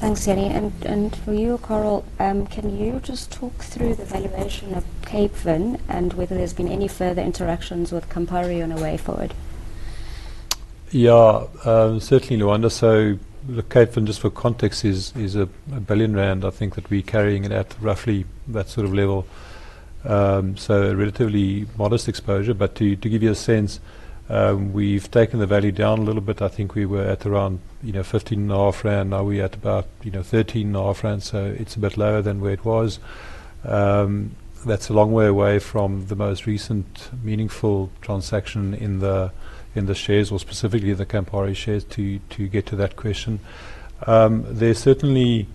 Thanks, Jannie. For you, Carel, can you just talk through the valuation of Capevin and whether there's been any further interactions with Campari on a way forward? Yeah. Certainly, Lwanda. The Capevin, just for context, is 1 billion rand. I think that we're carrying it at roughly that sort of level. A relatively modest exposure. To give you a sense, we've taken the value down a little bit. I think we were at around, you know, 15.5 rand. Now we're at about, you know, 13.5 rand. It's a bit lower than where it was. That's a long way away from the most recent meaningful transaction in the shares or specifically the Campari shares to get to that question. There's certainly,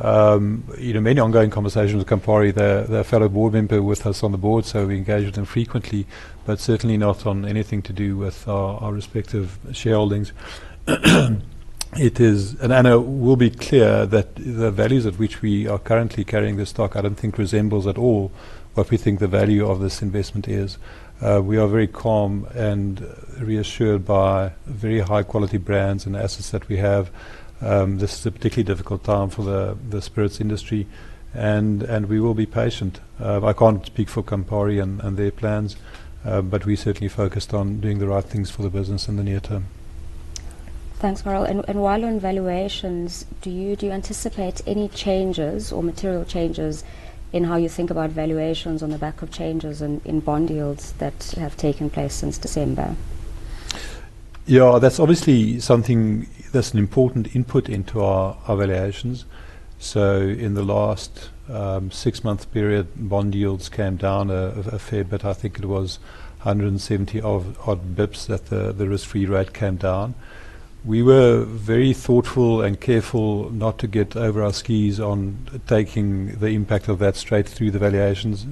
you know, many ongoing conversations with Campari. They're a fellow board member with us on the board, so we engage with them frequently, but certainly not on anything to do with our respective shareholdings. I know we'll be clear that the values at which we are currently carrying the stock I don't think resembles at all what we think the value of this investment is. We are very calm and reassured by very high quality brands and assets that we have. This is a particularly difficult time for the spirits industry and we will be patient. I can't speak for Campari and their plans, but we're certainly focused on doing the right things for the business in the near term. Thanks, Carel. While on valuations, do you anticipate any changes or material changes in how you think about valuations on the back of changes in bond yields that have taken place since December? Yeah. That's obviously something that's an important input into our valuations. In the last six-month period, bond yields came down a fair bit. I think it was 170-odd bps that the risk-free rate came down. We were very thoughtful and careful not to get over our skis on taking the impact of that straight through the valuations.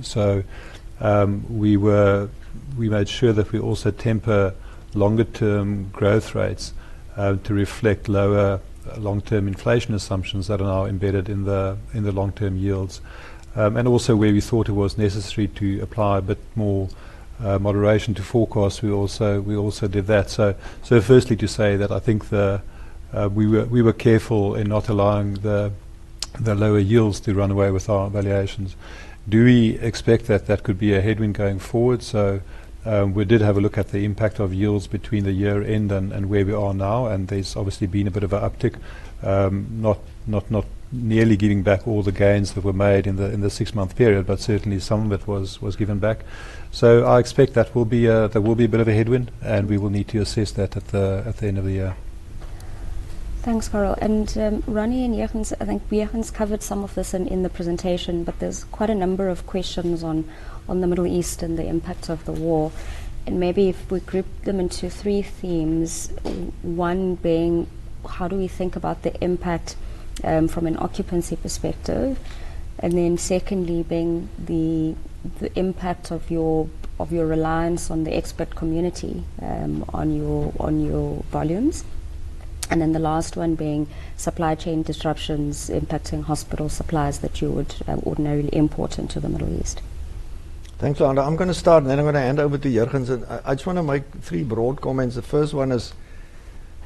We made sure that we also temper longer-term growth rates to reflect lower long-term inflation assumptions that are now embedded in the long-term yields. Also where we thought it was necessary to apply a bit more moderation to forecast, we also did that. Firstly to say that I think we were careful in not allowing the lower yields to run away with our valuations. Do we expect that could be a headwind going forward? We did have a look at the impact of yields between the year-end and where we are now, and there's obviously been a bit of an uptick, not nearly giving back all the gains that were made in the six-month period, but certainly some of it was given back. I expect that will be a bit of a headwind, and we will need to assess that at the end of the year. Thanks, Carel. Ronnie and Jurgens, I think Jurgens covered some of this in the presentation, but there's quite a number of questions on the Middle East and the impact of the war. Maybe if we group them into three themes, one being, how do we think about the impact from an occupancy perspective? Then secondly being the impact of your reliance on the expat community on your volumes. Then the last one being supply chain disruptions impacting hospital supplies that you would ordinarily import into the Middle East. Thanks, Lwanda. I'm gonna start, and then I'm gonna hand over to Jurgens. I just wanna make three broad comments. The first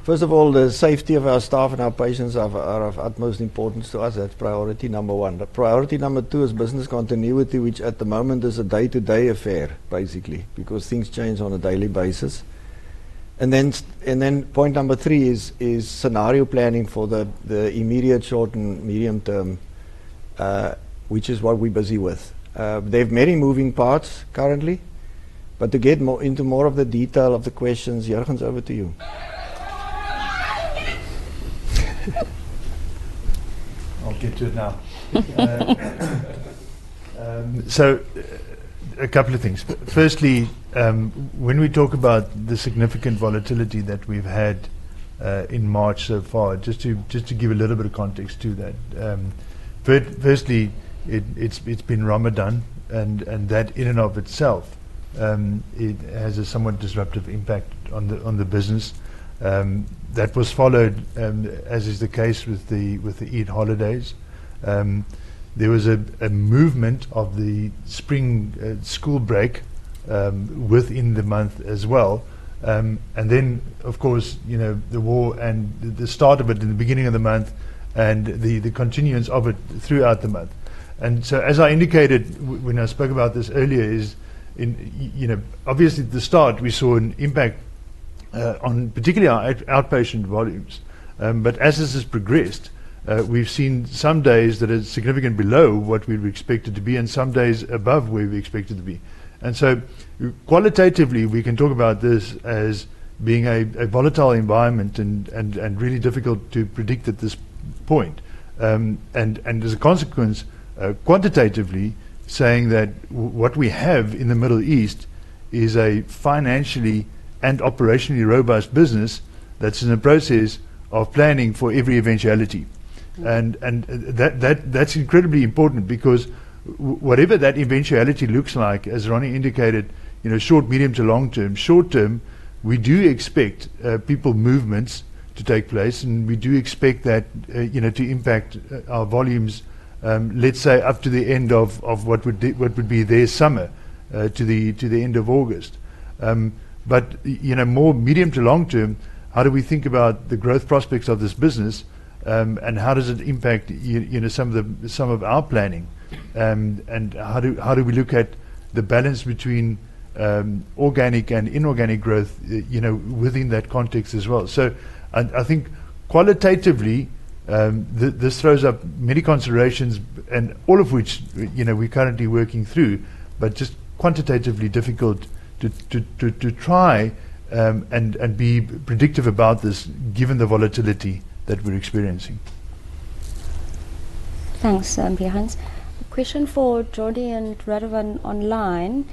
one is, first of all, the safety of our staff and our patients are of utmost importance to us. That's priority number one. Priority number two is business continuity, which at the moment is a day-to-day affair, basically, because things change on a daily basis. Point number three is scenario planning for the immediate short and medium term, which is what we're busy with. There are many moving parts currently, but to get more into the detail of the questions, Jurgens, over to you. I'll get to it now. A couple of things. Firstly, when we talk about the significant volatility that we've had in March so far, just to give a little bit of context to that. Firstly, it's been Ramadan and that in and of itself it has a somewhat disruptive impact on the business. That was followed, as is the case with the Eid holidays. There was a movement of the spring school break within the month as well. Of course, you know, the war and the start of it in the beginning of the month and the continuance of it throughout the month. As I indicated when I spoke about this earlier, in you know, obviously at the start we saw an impact on particularly our outpatient volumes. But as this has progressed, we've seen some days that are significantly below what we'd expected to be and some days above where we expected to be. Qualitatively, we can talk about this as being a volatile environment and really difficult to predict at this point. As a consequence, quantitatively saying that what we have in the Middle East is a financially and operationally robust business that's in a process of planning for every eventuality. That's incredibly important because whatever that eventuality looks like, as Ronnie indicated in a short, medium to long term. Short term, we do expect people movements to take place, and we do expect that you know to impact our volumes, let's say up to the end of what would be their summer to the end of August. You know, more medium to long term, how do we think about the growth prospects of this business, and how does it impact you know some of our planning? How do we look at the balance between organic and inorganic growth, you know, within that context as well? I think qualitatively, this throws up many considerations and all of which, you know, we're currently working through, but just quantitatively difficult to try and be predictive about this given the volatility that we're experiencing. Thanks, Jurgens. Question for Jordi and Radovan online.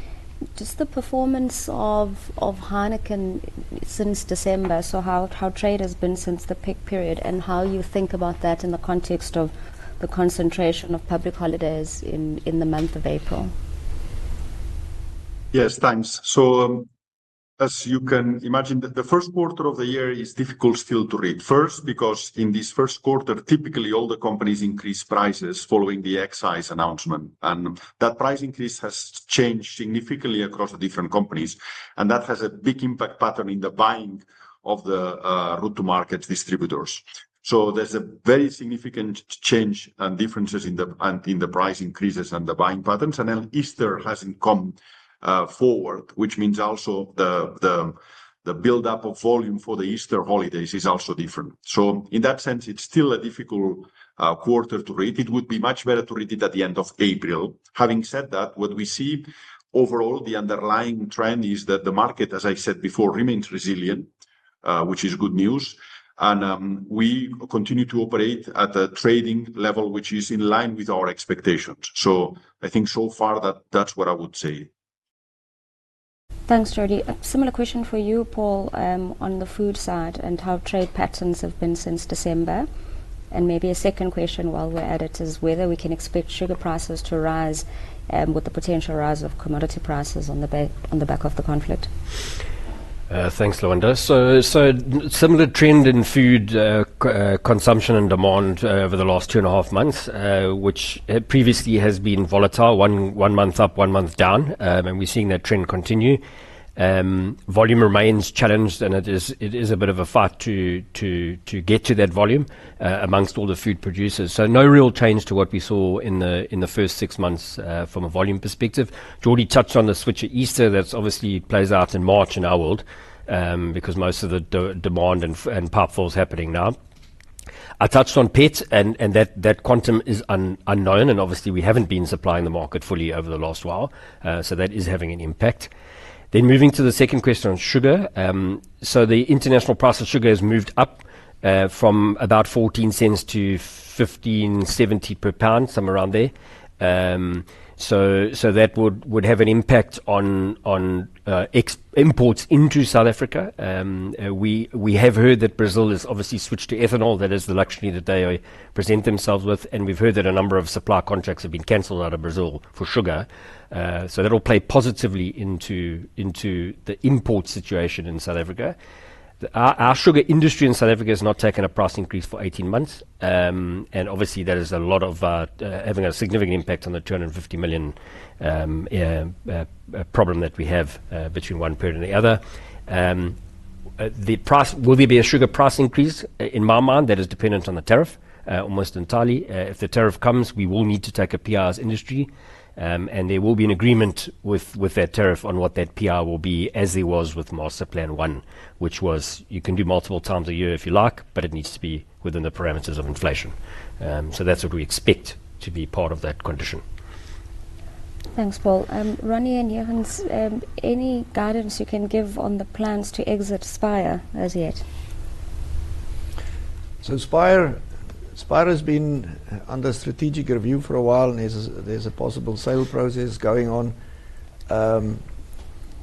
Just the performance of Heineken since December. How trade has been since the peak period and how you think about that in the context of the concentration of public holidays in the month of April. Yes. Thanks. As you can imagine, the first quarter of the year is difficult still to read. First, because in this first quarter, typically all the companies increase prices following the excise announcement, and that price increase has changed significantly across the different companies, and that has a big impact on the pattern in the buying of the route to market distributors. There's a very significant change and differences in the price increases and the buying patterns. Easter hasn't come forward, which means also the buildup of volume for the Easter holidays is also different. In that sense, it's still a difficult quarter to read. It would be much better to read it at the end of April. Having said that, what we see overall, the underlying trend is that the market, as I said before, remains resilient, which is good news. We continue to operate at a trading level which is in line with our expectations. I think so far that that's what I would say. Thanks, Jordi. A similar question for you, Paul, on the food side and how trade patterns have been since December. Maybe a second question while we're at it is whether we can expect sugar prices to rise, with the potential rise of commodity prices on the back of the conflict. Thanks, Lwanda. Similar trend in food consumption and demand over the last 2.5 months, which previously has been volatile, one month up, one month down. We're seeing that trend continue. Volume remains challenged, and it is a bit of a fight to get to that volume amongst all the food producers. No real change to what we saw in the first six months from a volume perspective. Jordi touched on the switch at Easter. That obviously plays out in March in our world, because most of the demand and footfall's happening now. I touched on pets and that quantum is unknown and obviously we haven't been supplying the market fully over the last while. That is having an impact. Moving to the second question on sugar. The international price of sugar has moved up from about $0.14-$0.1570 per pound, somewhere around there. That would have an impact on the imports into South Africa. We have heard that Brazil has obviously switched to ethanol. That is the luxury that they present themselves with. We've heard that a number of supply contracts have been canceled out of Brazil for sugar. That'll play positively into the import situation in South Africa. Our sugar industry in South Africa has not taken a price increase for 18 months. Obviously that is having a significant impact on the 250 million problem that we have between one period and the other. Will there be a sugar price increase? In my mind, that is dependent on the tariff, almost entirely. If the tariff comes, we will need to take a PR as industry. There will be an agreement with that tariff on what that PR will be as it was with Master Plan 1, which was you can do multiple times a year if you like, but it needs to be within the parameters of inflation. That's what we expect to be part of that condition. Thanks, Paul. Ronnie and Jurgens, any guidance you can give on the plans to exit Spire as yet? Spire has been under strategic review for a while, and there's a possible sale process going on.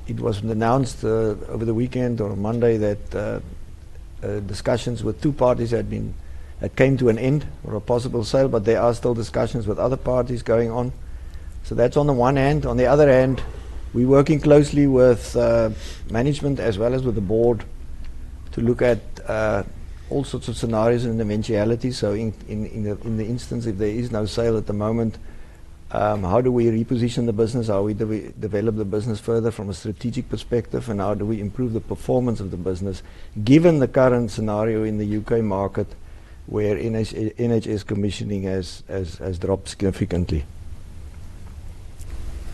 It was announced over the weekend or Monday that discussions with two parties had come to an end or a possible sale, but there are still discussions with other parties going on. That's on the one hand. On the other hand, we're working closely with management as well as with the board to look at all sorts of scenarios and eventuality. In the instance if there is no sale at the moment, how do we reposition the business? How we develop the business further from a strategic perspective? And how do we improve the performance of the business given the current scenario in the U.K. market where NHS commissioning has dropped significantly.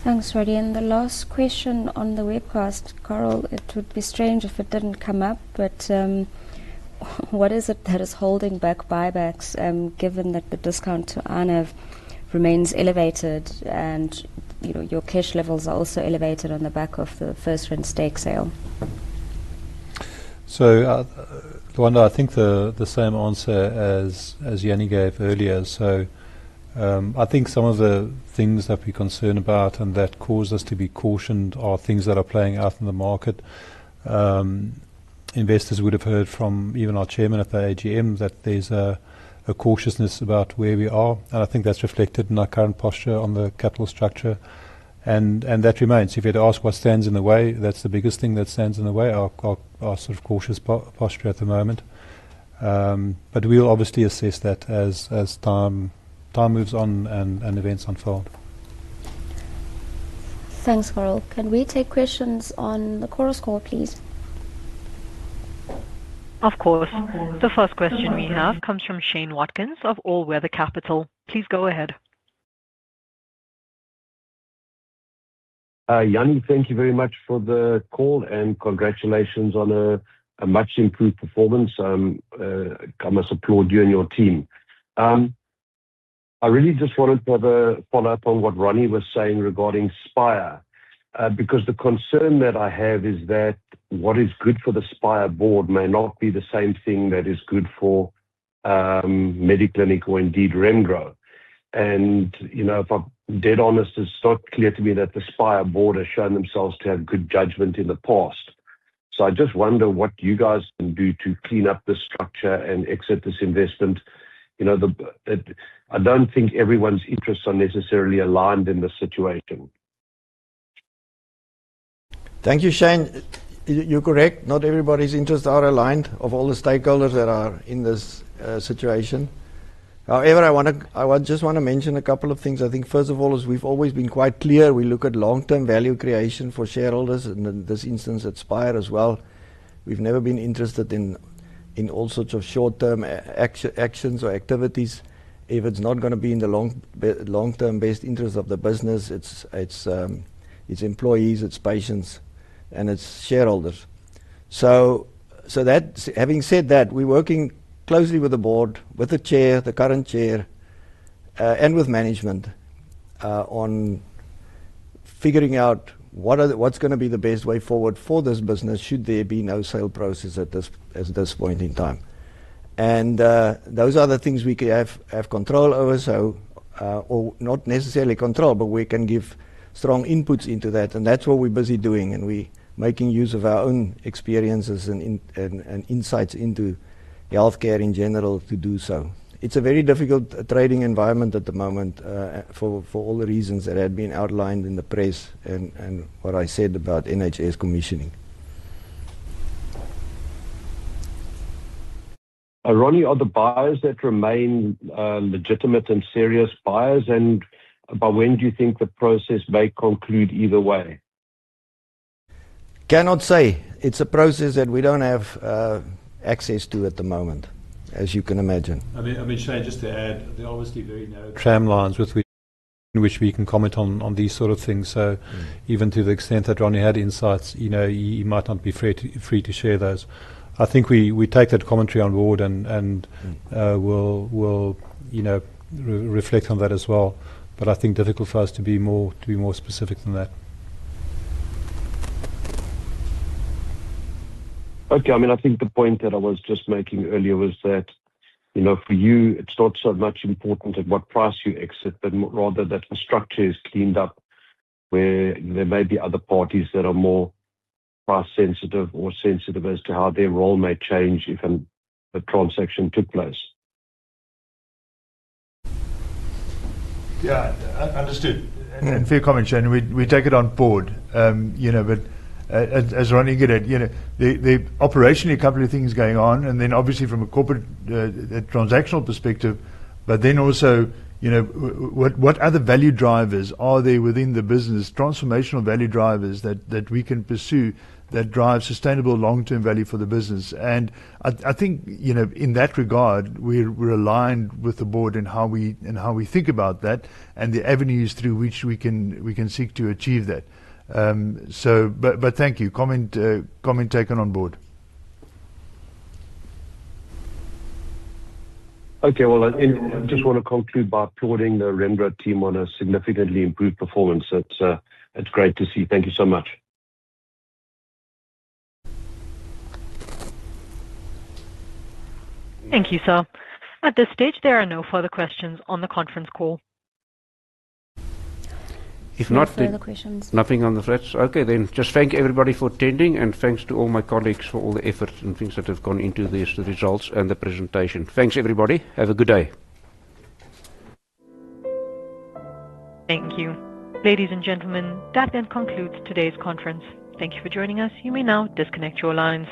Thanks, Ronnie. The last question on the webcast, Carel, it would be strange if it didn't come up, but what is it that is holding back buybacks, given that the discount to NAV remains elevated and, you know, your cash levels are also elevated on the back of the FirstRand stake sale? Lwanda, I think the same answer as Jannie gave earlier. I think some of the things that we're concerned about and that cause us to be cautioned are things that are playing out in the market. Investors would have heard from even our chairman at the AGM that there's a cautiousness about where we are. I think that's reflected in our current posture on the capital structure. That remains. If you'd ask what stands in the way, that's the biggest thing that stands in the way, our sort of cautious posture at the moment. We'll obviously assess that as time moves on and events unfold. Thanks, Carel. Can we take questions on the Chorus Call, please? Of course. The first question we have comes from Shane Watkins of All Weather Capital. Please go ahead. Jannie, thank you very much for the call, and congratulations on a much improved performance. I must applaud you and your team. I really just wanted to have a follow-up on what Ronnie was saying regarding Spire, because the concern that I have is that what is good for the Spire board may not be the same thing that is good for, Mediclinic or indeed Remgro. You know, if I'm dead honest, it's not clear to me that the Spire board has shown themselves to have good judgment in the past. I just wonder what you guys can do to clean up this structure and exit this investment. You know, I don't think everyone's interests are necessarily aligned in this situation. Thank you, Shane. You're correct. Not everybody's interests are aligned of all the stakeholders that are in this situation. However, I just wanna mention a couple of things. I think first of all is we've always been quite clear, we look at long-term value creation for shareholders, and in this instance at Spire as well. We've never been interested in all sorts of short-term actions or activities if it's not gonna be in the long-term best interest of the business, its employees, its patients, and its shareholders. Having said that, we're working closely with the board, with the current chair, and with management on figuring out what's gonna be the best way forward for this business should there be no sale process at this point in time. Those are the things we can have control over, so or not necessarily control, but we can give strong inputs into that, and that's what we're busy doing, and we making use of our own experiences and insights into healthcare in general to do so. It's a very difficult trading environment at the moment, for all the reasons that have been outlined in the press and what I said about NHS commissioning. Ronnie, are the buyers that remain legitimate and serious buyers? By when do you think the process may conclude either way? Cannot say. It's a process that we don't have access to at the moment, as you can imagine. I mean, Shane, just to add, there are obviously very narrow tramlines with which we can comment on these sort of things. So even to the extent that Ronnie had insights, you know, he might not be free to share those. I think we take that commentary on board and we'll, you know, reflect on that as well. But I think it's difficult for us to be more specific than that. Okay. I mean, I think the point that I was just making earlier was that, you know, for you, it's not so much important at what price you exit, but rather that the structure is cleaned up where there may be other parties that are more price sensitive or sensitive as to how their role may change if a transaction took place. Yeah. Understood. Fair comment, Shane. We take it on board. You know, but as Ronnie alluded, you know, the operationally a couple of things going on and then obviously from a corporate transactional perspective, but then also, you know, what other value drivers are there within the business, transformational value drivers that we can pursue that drive sustainable long-term value for the business? I think, you know, in that regard, we're aligned with the board in how we think about that and the avenues through which we can seek to achieve that. But thank you. Comment taken on board. Okay. Well, I just wanna conclude by applauding the Remgro team on a significantly improved performance. It's great to see. Thank you so much. Thank you, sir. At this stage, there are no further questions on the conference call. No further questions. If not, then nothing on the threads. Okay, then. Just thank everybody for attending, and thanks to all my colleagues for all the efforts and things that have gone into these results and the presentation. Thanks, everybody. Have a good day. Thank you. Ladies and gentlemen, that then concludes today's conference. Thank you for joining us. You may now disconnect your lines.